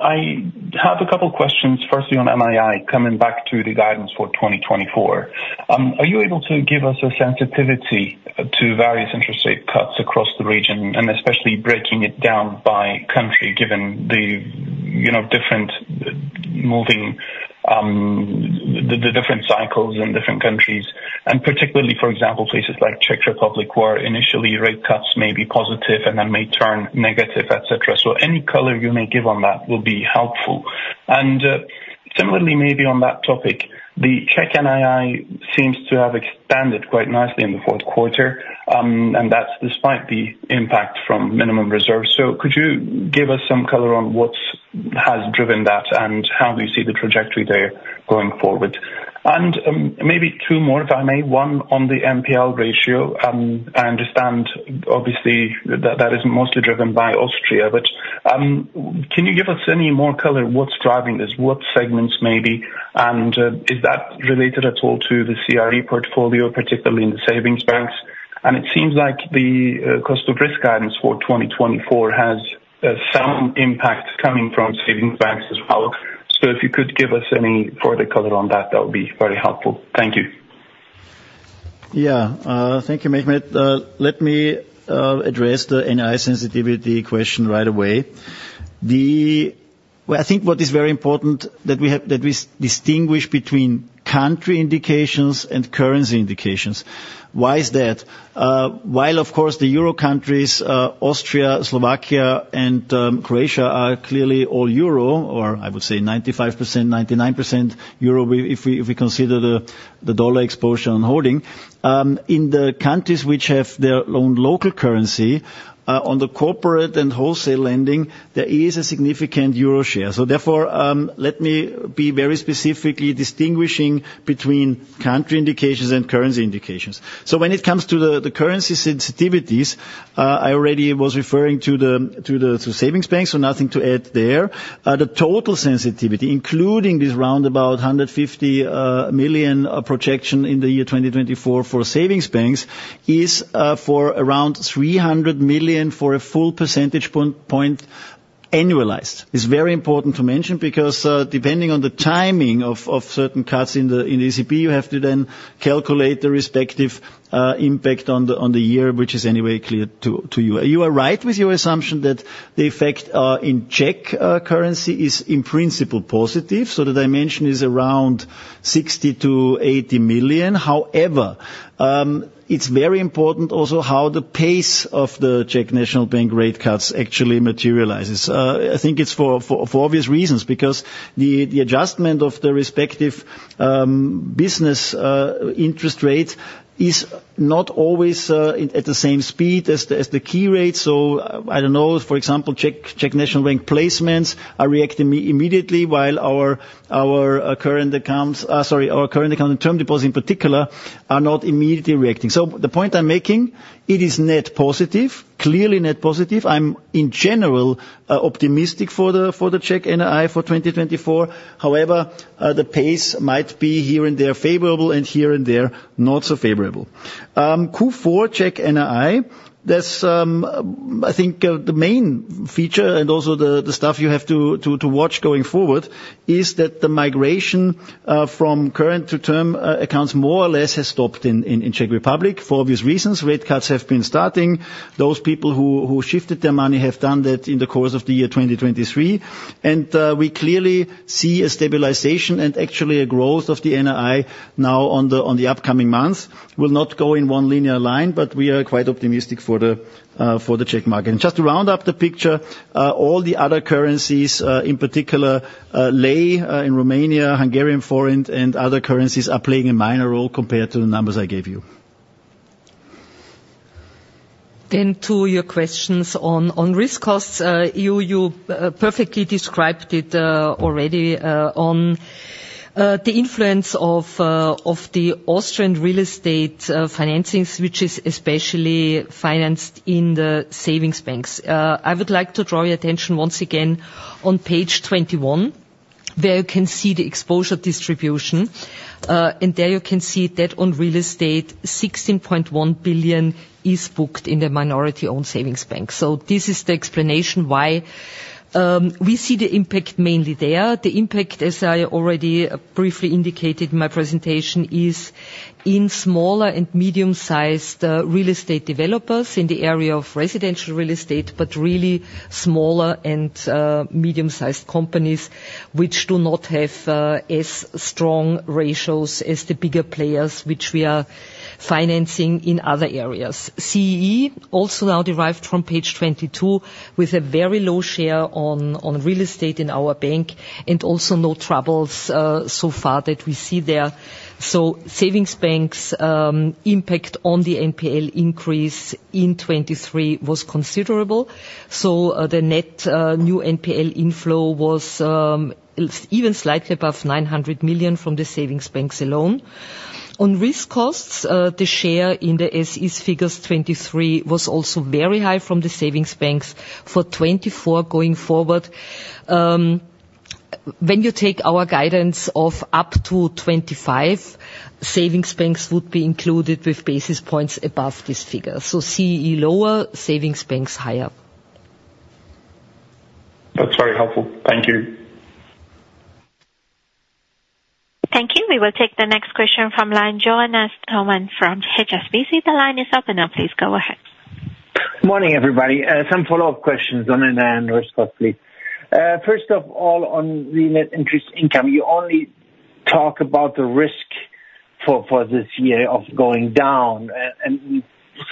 I have a couple of questions, firstly on NII, coming back to the guidance for 2024. Are you able to give us a sensitivity to various interest rate cuts across the region and especially breaking it down by country given the different cycles in different countries? And particularly, for example, places like Czech Republic where initially rate cuts may be positive and then may turn negative, etc. So any color you may give on that will be helpful. And similarly, maybe on that topic, the Czech NII seems to have expanded quite nicely in the fourth quarter, and that's despite the impact from minimum reserves. So could you give us some color on what has driven that and how do you see the trajectory there going forward? And maybe two more, if I may. One on the NPL ratio. I understand, obviously, that that is mostly driven by Austria, but can you give us any more color what's driving this, what segments maybe, and is that related at all to the CRE portfolio, particularly in the savings banks? It seems like the cost of risk guidance for 2024 has some impact coming from savings banks as well. If you could give us any further color on that, that would be very helpful. Thank you. Yeah. Thank you, Mehmet. Let me address the NII sensitivity question right away. I think what is very important that we distinguish between country indications and currency indications. Why is that? While, of course, the euro countries, Austria, Slovakia, and Croatia are clearly all euro or I would say 95%-99% euro if we consider the dollar exposure on holding, in the countries which have their own local currency, on the corporate and wholesale lending, there is a significant euro share. So therefore, let me be very specifically distinguishing between country indications and currency indications. So when it comes to the currency sensitivities, I already was referring to the savings banks, so nothing to add there. The total sensitivity, including this roundabout 150 million projection in the year 2024 for savings banks, is for around 300 million for a full percentage point annualized. It's very important to mention because depending on the timing of certain cuts in the ECB, you have to then calculate the respective impact on the year, which is anyway clear to you. You are right with your assumption that the effect in Czech currency is in principle positive. So the dimension is around 60 million-80 million. However, it's very important also how the pace of the Czech National Bank rate cuts actually materializes. I think it's for obvious reasons because the adjustment of the respective business interest rate is not always at the same speed as the key rate. So I don't know. For example, Czech National Bank placements are reacting immediately while our current accounts sorry, our current accounts and term deposit in particular are not immediately reacting. So the point I'm making, it is net positive, clearly net positive. I'm, in general, optimistic for the Czech NII for 2024. However, the pace might be here and there favorable and here and there not so favorable. Q4 Czech NII, I think the main feature and also the stuff you have to watch going forward is that the migration from current to term accounts more or less has stopped in Czech Republic for obvious reasons. Rate cuts have been starting. Those people who shifted their money have done that in the course of the year 2023. And we clearly see a stabilization and actually a growth of the NII now on the upcoming months. We'll not go in one linear line, but we are quite optimistic for the Czech market. Just to round up the picture, all the other currencies in particular, lei in Romania, Hungarian forint, and other currencies are playing a minor role compared to the numbers I gave you. To your questions on risk costs. You perfectly described it already on the influence of the Austrian real estate financing, which is especially financed in the savings banks. I would like to draw your attention once again on page 21 where you can see the exposure distribution. There you can see that on real estate, 16.1 billion is booked in the minority-owned savings banks. This is the explanation why we see the impact mainly there. The impact, as I already briefly indicated in my presentation, is in smaller and medium-sized real estate developers in the area of residential real estate, but really smaller and medium-sized companies which do not have as strong ratios as the bigger players which we are financing in other areas. CEE also now derived from page 22 with a very low share on real estate in our bank and also no troubles so far that we see there. So savings banks' impact on the NPL increase in 2023 was considerable. So the net new NPL inflow was even slightly above 900 million from the savings banks alone. On risk costs, the share in the SEE's figures 2023 was also very high from the savings banks for 2024 going forward. When you take our guidance of up to 2025, savings banks would be included with basis points above this figure. So CEE lower, savings banks higher. That's very helpful. Thank you. Thank you. We will take the next question from line Johannes Thormann from HSBC. The line is open now. Please go ahead. Good morning, everybody. Some follow-up questions on, and on risk costs, please. First of all, on the net interest income, you only talk about the risk for this year of going down. And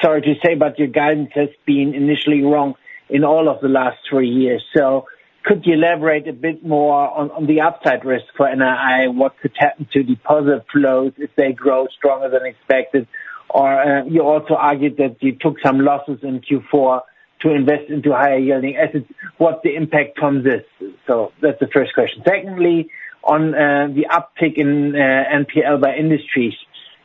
sorry to say, but your guidance has been initially wrong in all of the last three years. So could you elaborate a bit more on the upside risk for NII, what could happen to deposit flows if they grow stronger than expected? Or you also argued that you took some losses in Q4 to invest into higher yielding assets. What's the impact from this? So that's the first question. Secondly, on the uptick in NPL by industries,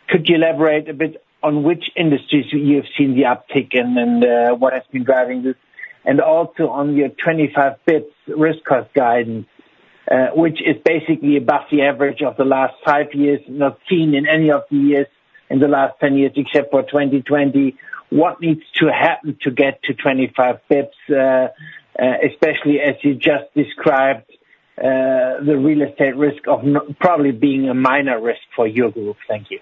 could you elaborate a bit on which industries you have seen the uptick in and what has been driving this? Also on your 25 basis points risk costs guidance, which is basically above the average of the last five years, not seen in any of the years in the last 10 years except for 2020, what needs to happen to get to 25 basis points, especially as you just described the real estate risk of probably being a minor risk for your group? Thank you.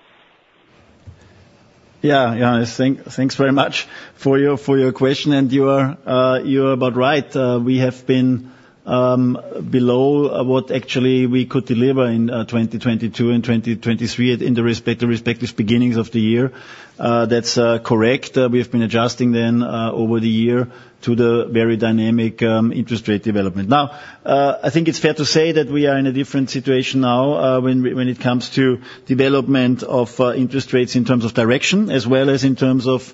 Yeah, Johannes, thanks very much for your question. And you are about right. We have been below what actually we could deliver in 2022 and 2023 at the respective beginnings of the year. That's correct. We have been adjusting then over the year to the very dynamic interest rate development. Now, I think it's fair to say that we are in a different situation now when it comes to development of interest rates in terms of direction as well as in terms of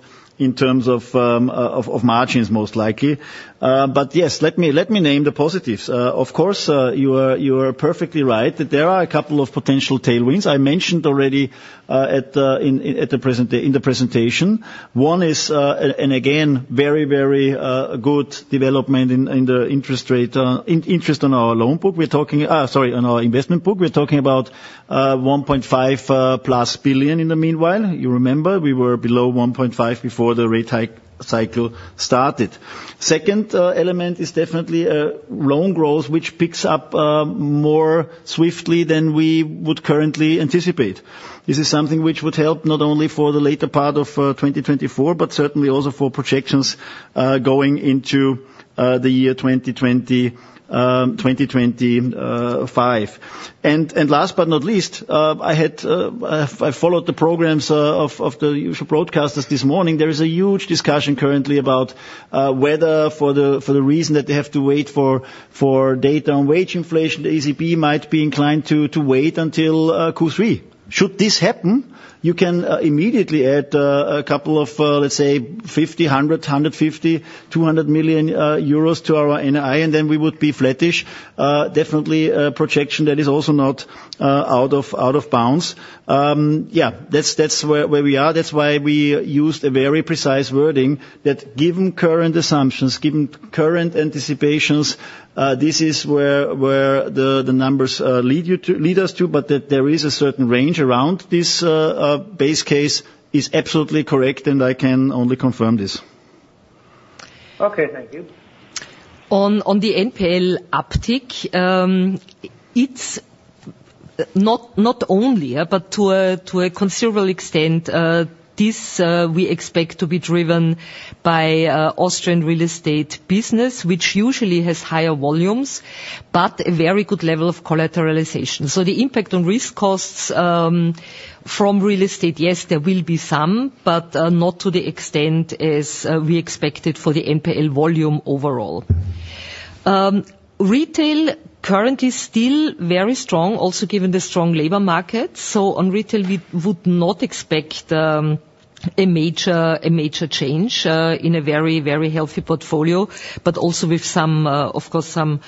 margins, most likely. But yes, let me name the positives. Of course, you are perfectly right that there are a couple of potential tailwinds. I mentioned already in the presentation. One is, and again, very, very good development in the interest on our loanbook. We're talking, sorry, on our investment book, we're talking about 1.5 billion+ in the meanwhile. You remember, we were below 1.5 before the rate hike cycle started. Second element is definitely loan growth, which picks up more swiftly than we would currently anticipate. This is something which would help not only for the later part of 2024 but certainly also for projections going into the year 2025. And last but not least, I followed the programs of the usual broadcasters this morning. There is a huge discussion currently about whether, for the reason that they have to wait for data on wage inflation, the ECB might be inclined to wait until Q3. Should this happen, you can immediately add a couple of, let's say, 50 million, 100 million, 150 million, 200 million euros to our NII, and then we would be flattish. Definitely a projection that is also not out of bounds. Yeah, that's where we are. That's why we used a very precise wording that, given current assumptions, given current anticipations, this is where the numbers lead us to. But there is a certain range around. This base case is absolutely correct, and I can only confirm this. Okay. Thank you. On the NPL uptick, it's not only, but to a considerable extent, this we expect to be driven by Austrian real estate business, which usually has higher volumes but a very good level of collateralization. So the impact on risk costs from real estate, yes, there will be some, but not to the extent as we expected for the NPL volume overall. Retail currently still very strong, also given the strong labor market. So on retail, we would not expect a major change in a very, very healthy portfolio but also with, of course, some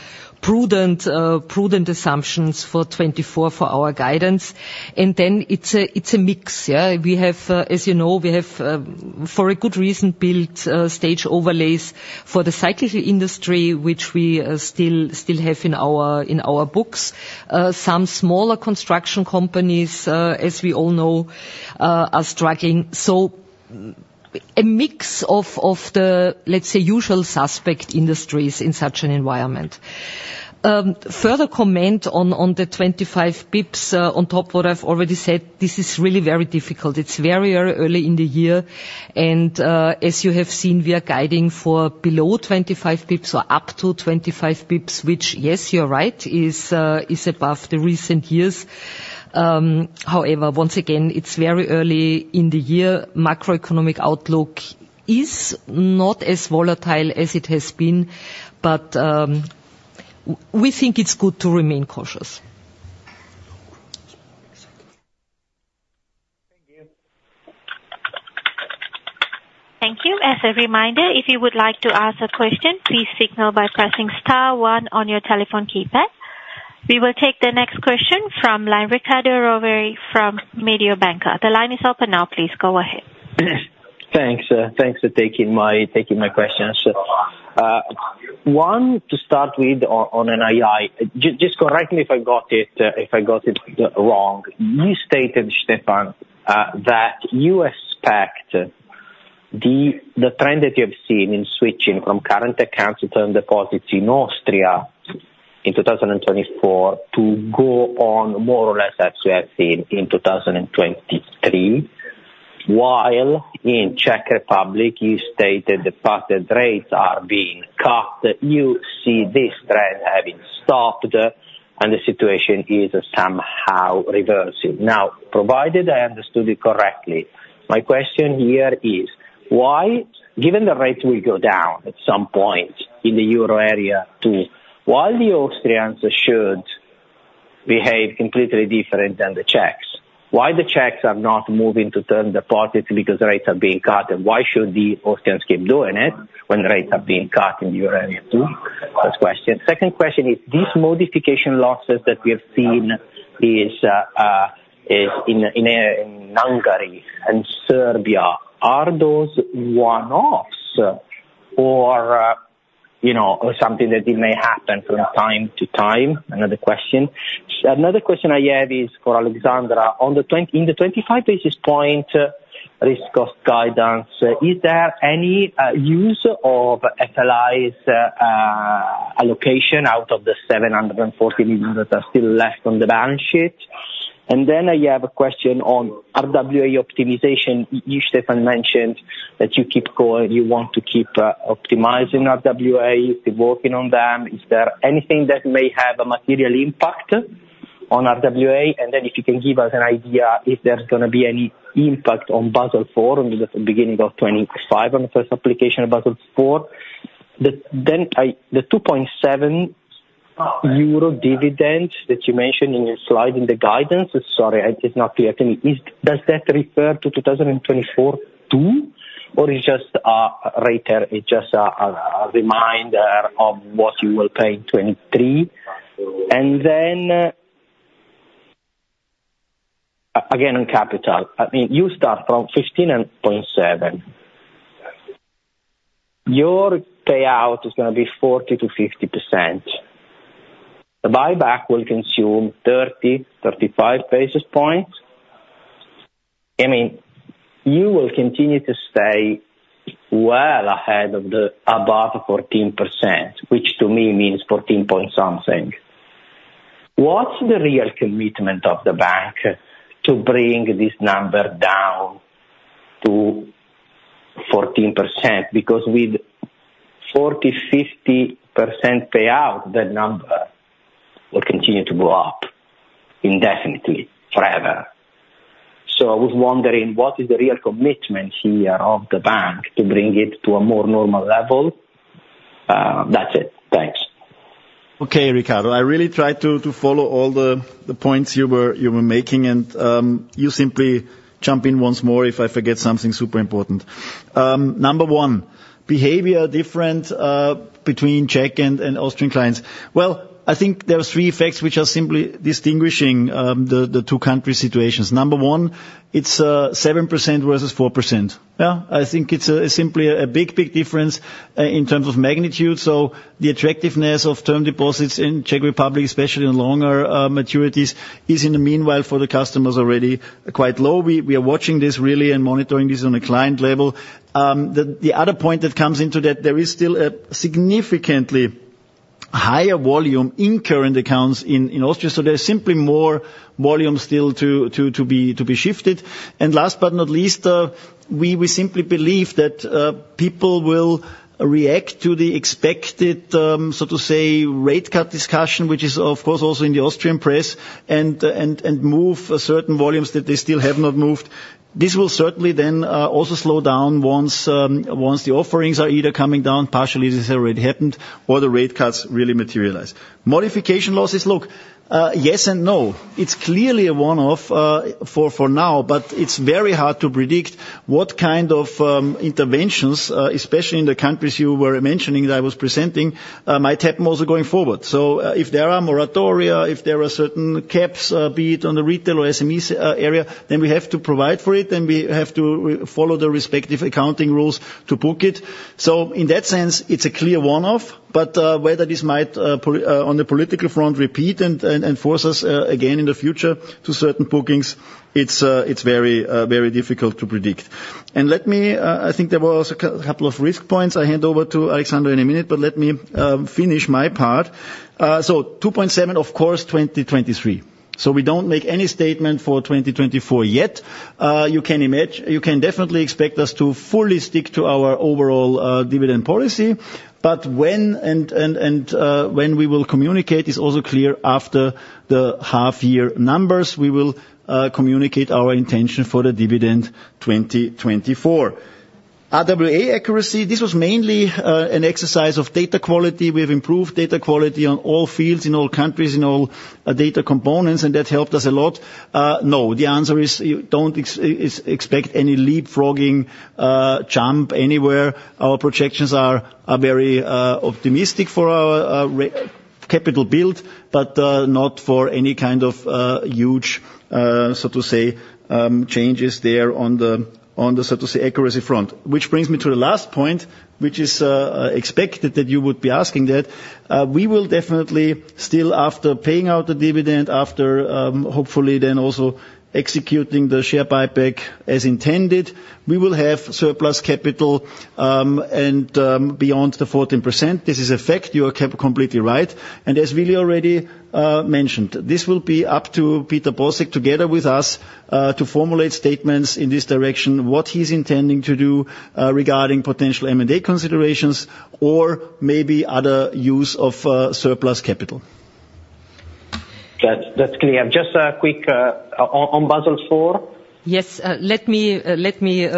prudent assumptions for 2024 for our guidance. And then it's a mix. As you know, we have, for a good reason, built stage overlays for the cyclical industry, which we still have in our books. Some smaller construction companies, as we all know, are struggling. So, a mix of the, let's say, usual suspect industries in such an environment. Further comment on the 25 basis points on top of what I've already said, this is really very difficult. It's very, very early in the year. And as you have seen, we are guiding for below 25 basis points or up to 25 basis points, which, yes, you are right, is above the recent years. However, once again, it's very early in the year. Macroeconomic outlook is not as volatile as it has been, but we think it's good to remain cautious. Thank you. Thank you. As a reminder, if you would like to ask a question, please signal by pressing star one on your telephone keypad. We will take the next question from line Riccardo Rovere from Mediobanca. The line is open now. Please go ahead. Thanks for taking my questions. One, to start with on NII, just correct me if I got it wrong. You stated, Stefan, that you expect the trend that you have seen in switching from current accounts to term deposits in Austria in 2024 to go on more or less as we have seen in 2023, while in Czech Republic, you stated the pass-through rates are being cut. You see this trend having stopped, and the situation is somehow reversing. Now, provided I understood it correctly, my question here is, given the rates will go down at some point in the euro area too, while the Austrians should behave completely different than the Czechs, why are the Czechs not moving to term deposits because rates are being cut? And why should the Austrians keep doing it when rates are being cut in the euro area too? That's the question. Second question is, these modification losses that we have seen in Hungary and Serbia, are those one-offs or something that may happen from time to time? Another question. Another question I have is for Alexandra. In the 25 basis point risk cost guidance, is there any use of FLIs allocation out of the 740 million that are still left on the balance sheet? And then I have a question on RWA optimization. You, Stefan, mentioned that you want to keep optimizing RWA. You've been working on them. Is there anything that may have a material impact on RWA? And then if you can give us an idea if there's going to be any impact on Basel IV at the beginning of 2025 on the first application of Basel IV. Then the 2.7 euro dividend that you mentioned in your slide in the guidance sorry, it's not clear to me. Does that refer to 2024 too, or is it just a reminder of what you will pay in 2023? And then again, on capital. I mean, you start from 15.7. Your payout is going to be 40%-50%. The buyback will consume 30-35 basis points. I mean, you will continue to stay well ahead of the above 14%, which to me means 14 point something. What's the real commitment of the bank to bring this number down to 14%? Because with 40%-50% payout, that number will continue to go up indefinitely, forever. So I was wondering, what is the real commitment here of the bank to bring it to a more normal level? That's it. Thanks. Okay, Riccardo. I really tried to follow all the points you were making. You simply jump in once more if I forget something super important. Number one, behavior different between Czech and Austrian clients. Well, I think there are three effects which are simply distinguishing the two countries' situations. Number one, it's 7% versus 4%. Yeah? I think it's simply a big, big difference in terms of magnitude. So the attractiveness of term deposits in Czech Republic, especially on longer maturities, is in the meanwhile for the customers already quite low. We are watching this really and monitoring this on a client level. The other point that comes into that, there is still a significantly higher volume in current accounts in Austria. So there's simply more volume still to be shifted. Last but not least, we simply believe that people will react to the expected, so to say, rate cut discussion, which is, of course, also in the Austrian press, and move certain volumes that they still have not moved. This will certainly then also slow down once the offerings are either coming down partially (this has already happened) or the rate cuts really materialize. Modification losses, look, yes and no. It's clearly a one-off for now, but it's very hard to predict what kind of interventions, especially in the countries you were mentioning that I was presenting, might happen also going forward. So if there are moratoria, if there are certain caps put on the retail or SMEs area, then we have to provide for it, and we have to follow the respective accounting rules to book it. So in that sense, it's a clear one-off. But whether this might, on the political front, repeat and force us again in the future to certain bookings, it's very, very difficult to predict. And I think there were also a couple of risk points. I hand over to Alexandra in a minute, but let me finish my part. So 2.7, of course, 2023. So we don't make any statement for 2024 yet. You can definitely expect us to fully stick to our overall dividend policy. But when we will communicate is also clear. After the half-year numbers, we will communicate our intention for the dividend 2024. RWA accuracy, this was mainly an exercise of data quality. We have improved data quality on all fields, in all countries, in all data components, and that helped us a lot. No, the answer is you don't expect any leapfrogging jump anywhere. Our projections are very optimistic for our capital build but not for any kind of huge, so to say, changes there on the, so to say, adequacy front. Which brings me to the last point, which is expected that you would be asking that. We will definitely still, after paying out the dividend, after hopefully then also executing the share buyback as intended, we will have surplus capital beyond the 14%. This is a fact. You are completely right. As Willi already mentioned, this will be up to Peter Bosek together with us to formulate statements in this direction, what he's intending to do regarding potential M&A considerations or maybe other use of surplus capital. That's clear. Just a quick on Basel IV? Yes. Let me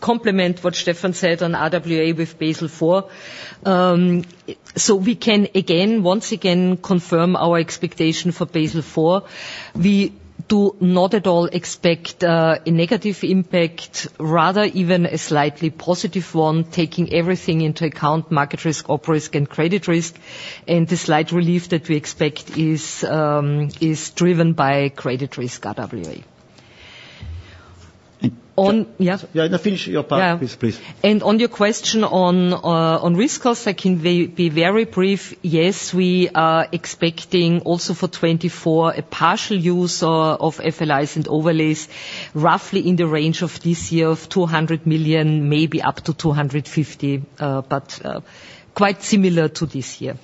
complement what Stefan said on RWA with Basel IV. So we can, again, once again, confirm our expectation for Basel IV. We do not at all expect a negative impact, rather even a slightly positive one, taking everything into account: market risk, operating risk, and credit risk. The slight relief that we expect is driven by credit risk RWA. Yeah? Yeah. Finish your part, please. Yeah. On your question on risk costs, I can be very brief. Yes, we are expecting also for 2024 a partial use of FLIs and overlays, roughly in the range of this year of 200 million, maybe up to 250 million, but quite similar to this year.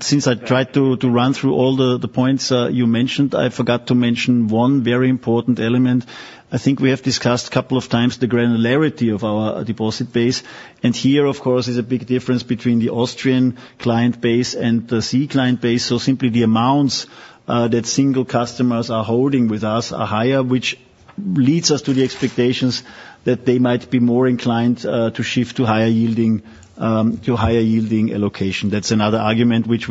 Since I tried to run through all the points you mentioned, I forgot to mention one very important element. I think we have discussed a couple of times the granularity of our deposit base. Here, of course, is a big difference between the Austrian client base and the CEE client base. Simply, the amounts that single customers are holding with us are higher, which leads us to the expectations that they might be more inclined to shift to higher yielding allocation. That's another argument which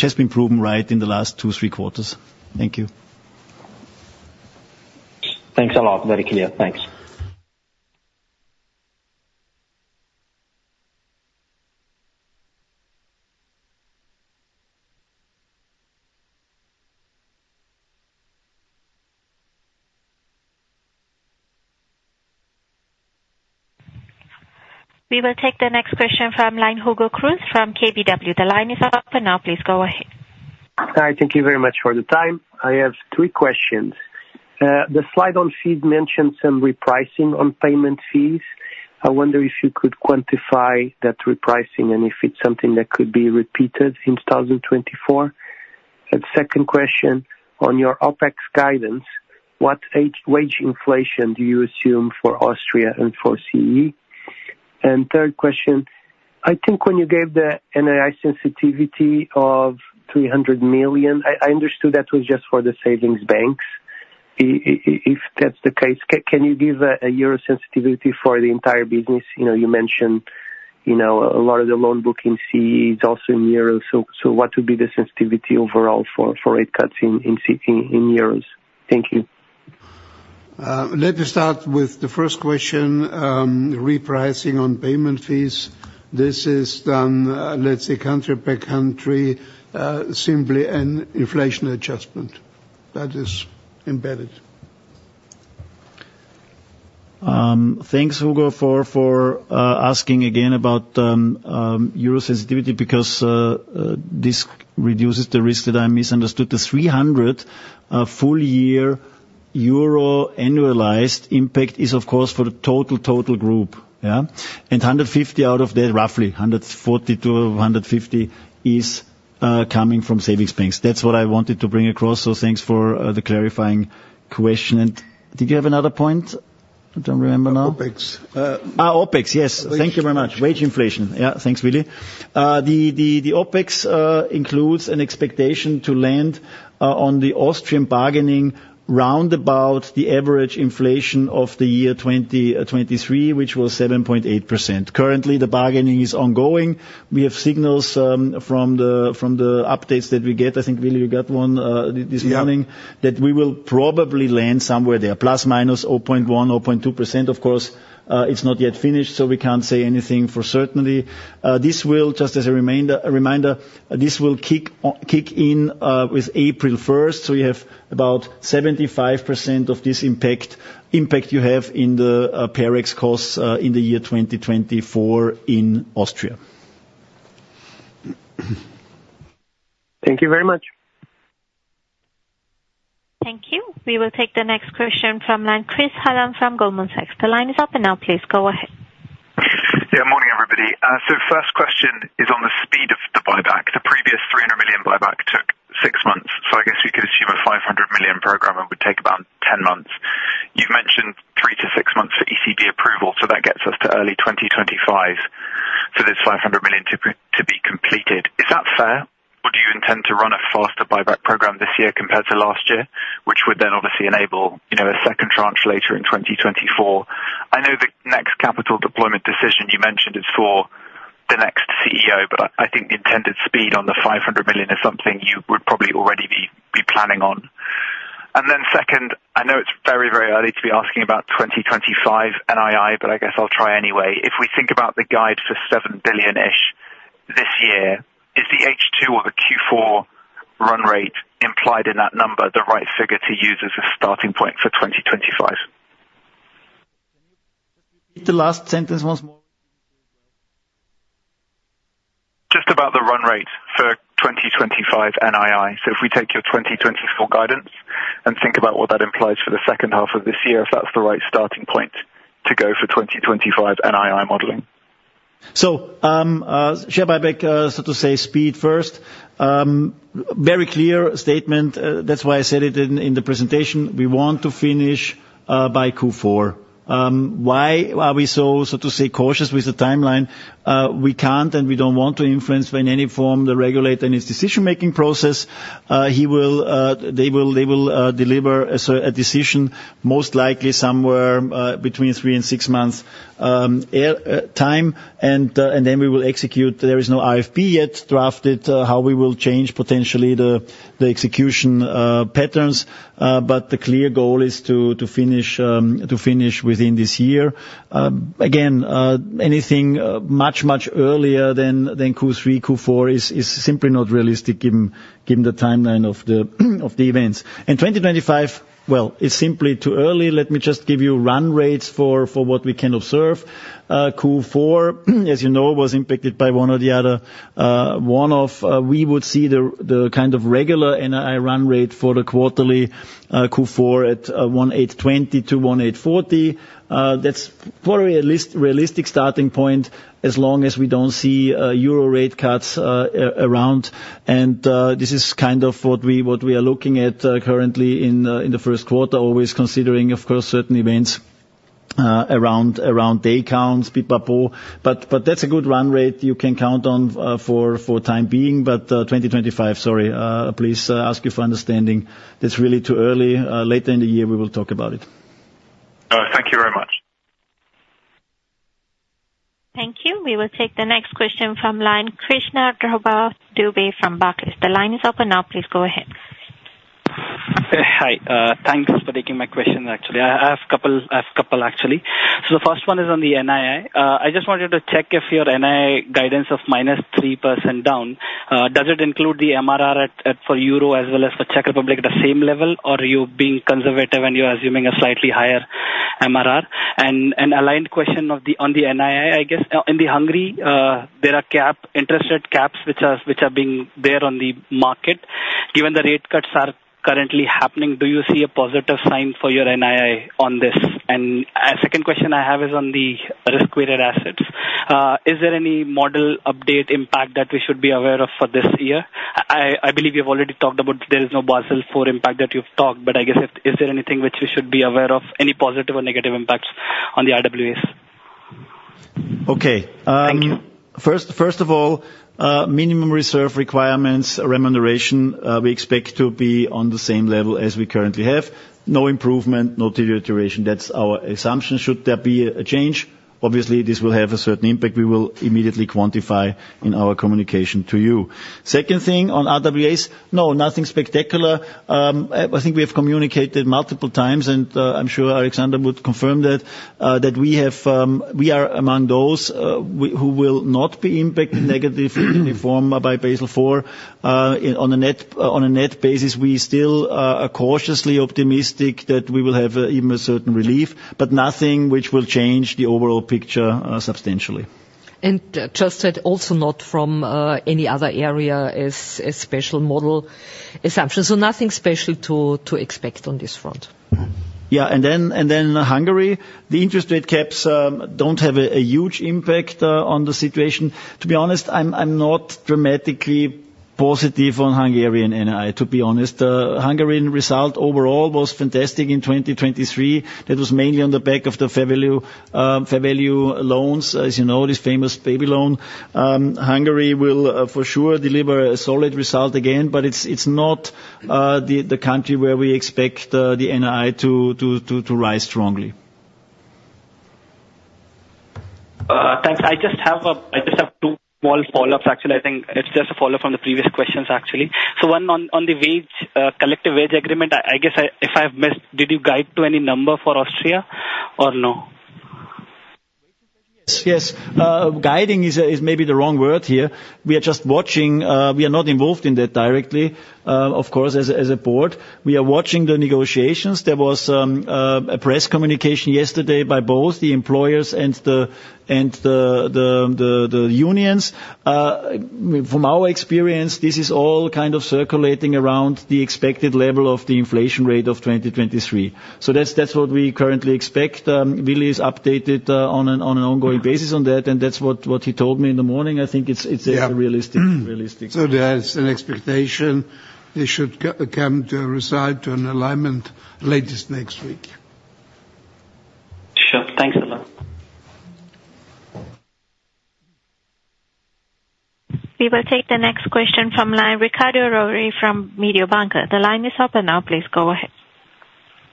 has been proven right in the last 2-3 quarters. Thank you. Thanks a lot. Very clear. Thanks. We will take the next question from line Hugo Cruz from KBW. The line is open now. Please go ahead. Hi. Thank you very much for the time. I have three questions. The slide on fees mentioned some repricing on payment fees. I wonder if you could quantify that repricing and if it's something that could be repeated in 2024. Second question, on your OpEx guidance, what wage inflation do you assume for Austria and for CEE? And third question, I think when you gave the NII sensitivity of 300 million, I understood that was just for the savings banks. If that's the case, can you give a euro sensitivity for the entire business? You mentioned a lot of the loan booking CEE is also in euros. So what would be the sensitivity overall for rate cuts in euros? Thank you. Let me start with the first question, repricing on payment fees. This is done, let's say, country by country, simply an inflation adjustment. That is embedded. Thanks, Hugo, for asking again about euro sensitivity because this reduces the risk that I misunderstood. The 300 full-year euro annualized impact is, of course, for the total total group. Yeah? And 150 out of that, roughly, 140-150 is coming from savings banks. That's what I wanted to bring across. So thanks for the clarifying question. And did you have another point? I don't remember now. OpEx. OpEx, yes. Thank you very much. Wage inflation. Yeah. Thanks, Willi. The OpEx includes an expectation to land on the Austrian bargaining roundabout the average inflation of the year 2023, which was 7.8%. Currently, the bargaining is ongoing. We have signals from the updates that we get. I think, Willi, you got one this morning that we will probably land somewhere there, ±0.1, 0.2%. Of course, it's not yet finished, so we can't say anything for certainty. Just as a reminder, this will kick in with April 1st. So you have about 75% of this impact you have in the OpEx costs in the year 2024 in Austria. Thank you very much. Thank you. We will take the next question from line Chris Hallam from Goldman Sachs. The line is open now. Please go ahead. Yeah. Morning, everybody. So first question is on the speed of the buyback. The previous 300 million buyback took 6 months. So I guess we could assume a 500 million program would take about 10 months. You've mentioned 3-6 months for ECB approval. So that gets us to early 2025 for this 500 million to be completed. Is that fair, or do you intend to run a faster buyback program this year compared to last year, which would then obviously enable a second tranche later in 2024? I know the next capital deployment decision you mentioned is for the next CEO, but I think the intended speed on the 500 million is something you would probably already be planning on. And then second, I know it's very, very early to be asking about 2025 NII, but I guess I'll try anyway. If we think about the guide for 7 billion-ish this year, is the H2 or the Q4 run rate implied in that number the right figure to use as a starting point for 2025? Can you just repeat the last sentence once more? Just about the run rate for 2025 NII. So if we take your 2024 guidance and think about what that implies for the second half of this year, if that's the right starting point to go for 2025 NII modeling. So share buyback, so to say, speed first. Very clear statement. That's why I said it in the presentation. We want to finish by Q4. Why are we so, so to say, cautious with the timeline? We can't and we don't want to influence in any form the regulator in its decision-making process. They will deliver a decision most likely somewhere between three and six months' time. And then we will execute. There is no RFP yet drafted how we will change potentially the execution patterns. But the clear goal is to finish within this year. Again, anything much, much earlier than Q3, Q4 is simply not realistic given the timeline of the events. And 2025, well, it's simply too early. Let me just give you run rates for what we can observe. Q4, as you know, was impacted by one or the other. We would see the kind of regular NII run rate for the quarterly Q4 at 1,820 million-1,840 million. That's probably a realistic starting point as long as we don't see euro rate cuts around. This is kind of what we are looking at currently in the first quarter, always considering, of course, certain events around day counts, Pipapo. That's a good run rate you can count on for the time being. 2025, sorry, please ask you for understanding. That's really too early. Later in the year, we will talk about it. Thank you very much. Thank you. We will take the next question from line Krishnendra Dubey from Barclays. The line is open now. Please go ahead. Hi. Thanks for taking my question, actually. I have a couple, actually. So the first one is on the NII. I just wanted to check if your NII guidance of -3% down, does it include the MRR for euro as well as for Czech Republic at the same level, or are you being conservative and you're assuming a slightly higher MRR? And an aligned question on the NII, I guess. In Hungary, there are interest rate caps which are being there on the market. Given the rate cuts are currently happening, do you see a positive sign for your NII on this? And a second question I have is on the risk-weighted assets. Is there any model update impact that we should be aware of for this year? I believe we have already talked about there is no Basel IV impact that you've talked, but I guess is there anything which we should be aware of, any positive or negative impacts on the RWAs? Okay. Thank you. First of all, minimum reserve requirements, remuneration, we expect to be on the same level as we currently have. No improvement, no deterioration. That's our assumption. Should there be a change, obviously, this will have a certain impact. We will immediately quantify in our communication to you. Second thing on RWAs, no, nothing spectacular. I think we have communicated multiple times, and I'm sure Alexandra would confirm that we are among those who will not be impacted negatively in any form by Basel IV. On a net basis, we still are cautiously optimistic that we will have even a certain relief but nothing which will change the overall picture substantially. Just said also not from any other area as a special model assumption. Nothing special to expect on this front. Yeah. Hungary, the interest rate caps don't have a huge impact on the situation. To be honest, I'm not dramatically positive on Hungarian NII, to be honest. The Hungarian result overall was fantastic in 2023. That was mainly on the back of the fair value loans, as you know, this famous baby loan. Hungary will for sure deliver a solid result again, but it's not the country where we expect the NII to rise strongly. Thanks. I just have two small follow-ups, actually. I think it's just a follow-up from the previous questions, actually. One, on the collective wage agreement, I guess if I've missed, did you guide to any number for Austria or no? Yes. Guiding is maybe the wrong word here. We are just watching. We are not involved in that directly, of course, as a board. We are watching the negotiations. There was a press communication yesterday by both the employers and the unions. From our experience, this is all kind of circulating around the expected level of the inflation rate of 2023. So that's what we currently expect. Willi is updated on an ongoing basis on that, and that's what he told me in the morning. I think it's a realistic realistic thing. There is an expectation this should come to a result, to an alignment, latest next week. Sure. Thanks a lot. We will take the next question from line Riccardo Rovere from Mediobanca. The line is open now. Please go ahead.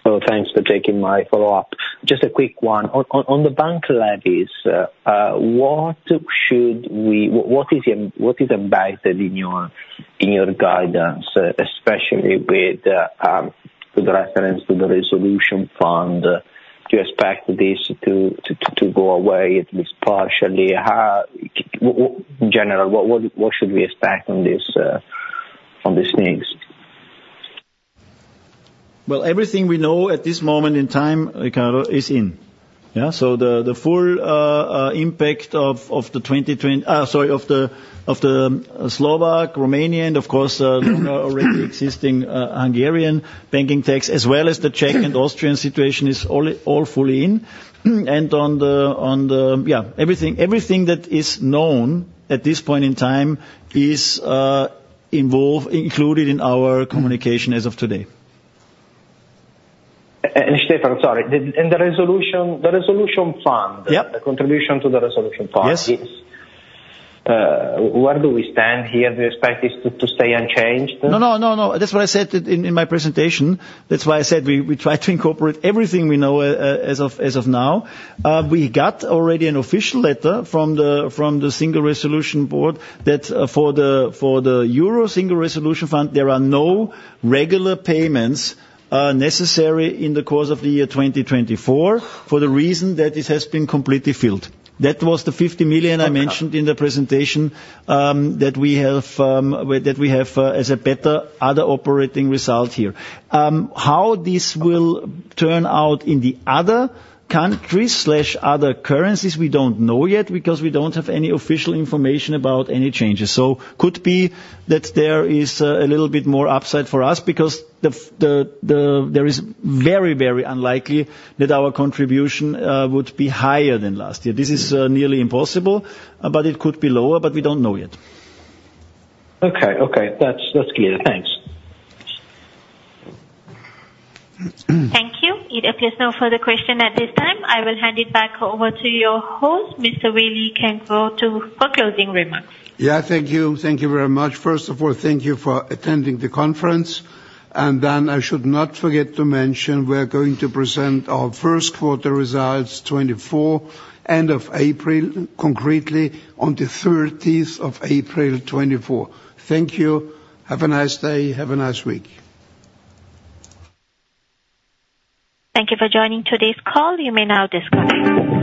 Oh, thanks for taking my follow-up. Just a quick one. On the banker levies, what is embedded in your guidance, especially with the reference to the resolution fund? Do you expect this to go away at least partially? In general, what should we expect on these things? Well, everything we know at this moment in time, Riccardo, is in. Yeah? So the full impact of the 2020 sorry, of the Slovak, Romanian, and of course, already existing Hungarian banking tax, as well as the Czech and Austrian situation, is all fully in. And yeah, everything that is known at this point in time is included in our communication as of today. Stefan, sorry, and the resolution fund, the contribution to the resolution fund, where do we stand here? Do you expect this to stay unchanged? No, no. That's what I said in my presentation. That's why I said we try to incorporate everything we know as of now. We got already an official letter from the Single Resolution Board that for the euro Single Resolution Fund, there are no regular payments necessary in the course of the year 2024 for the reason that this has been completely filled. That was the 50 million I mentioned in the presentation that we have as a better other operating result here. How this will turn out in the other countries/other currencies, we don't know yet because we don't have any official information about any changes. So could be that there is a little bit more upside for us because there is very, very unlikely that our contribution would be higher than last year. This is nearly impossible, but it could be lower, but we don't know yet. Okay. Okay. That's clear. Thanks. Thank you. It appears no further question at this time. I will hand it back over to your host, Mr. Willi. You can go for closing remarks. Yeah. Thank you. Thank you very much. First of all, thank you for attending the conference. And then I should not forget to mention we are going to present our first quarter results 2024, end of April, concretely on April 30th, 2024. Thank you. Have a nice day, have a nice week. Thank you for joining today's call. You may now disconnect.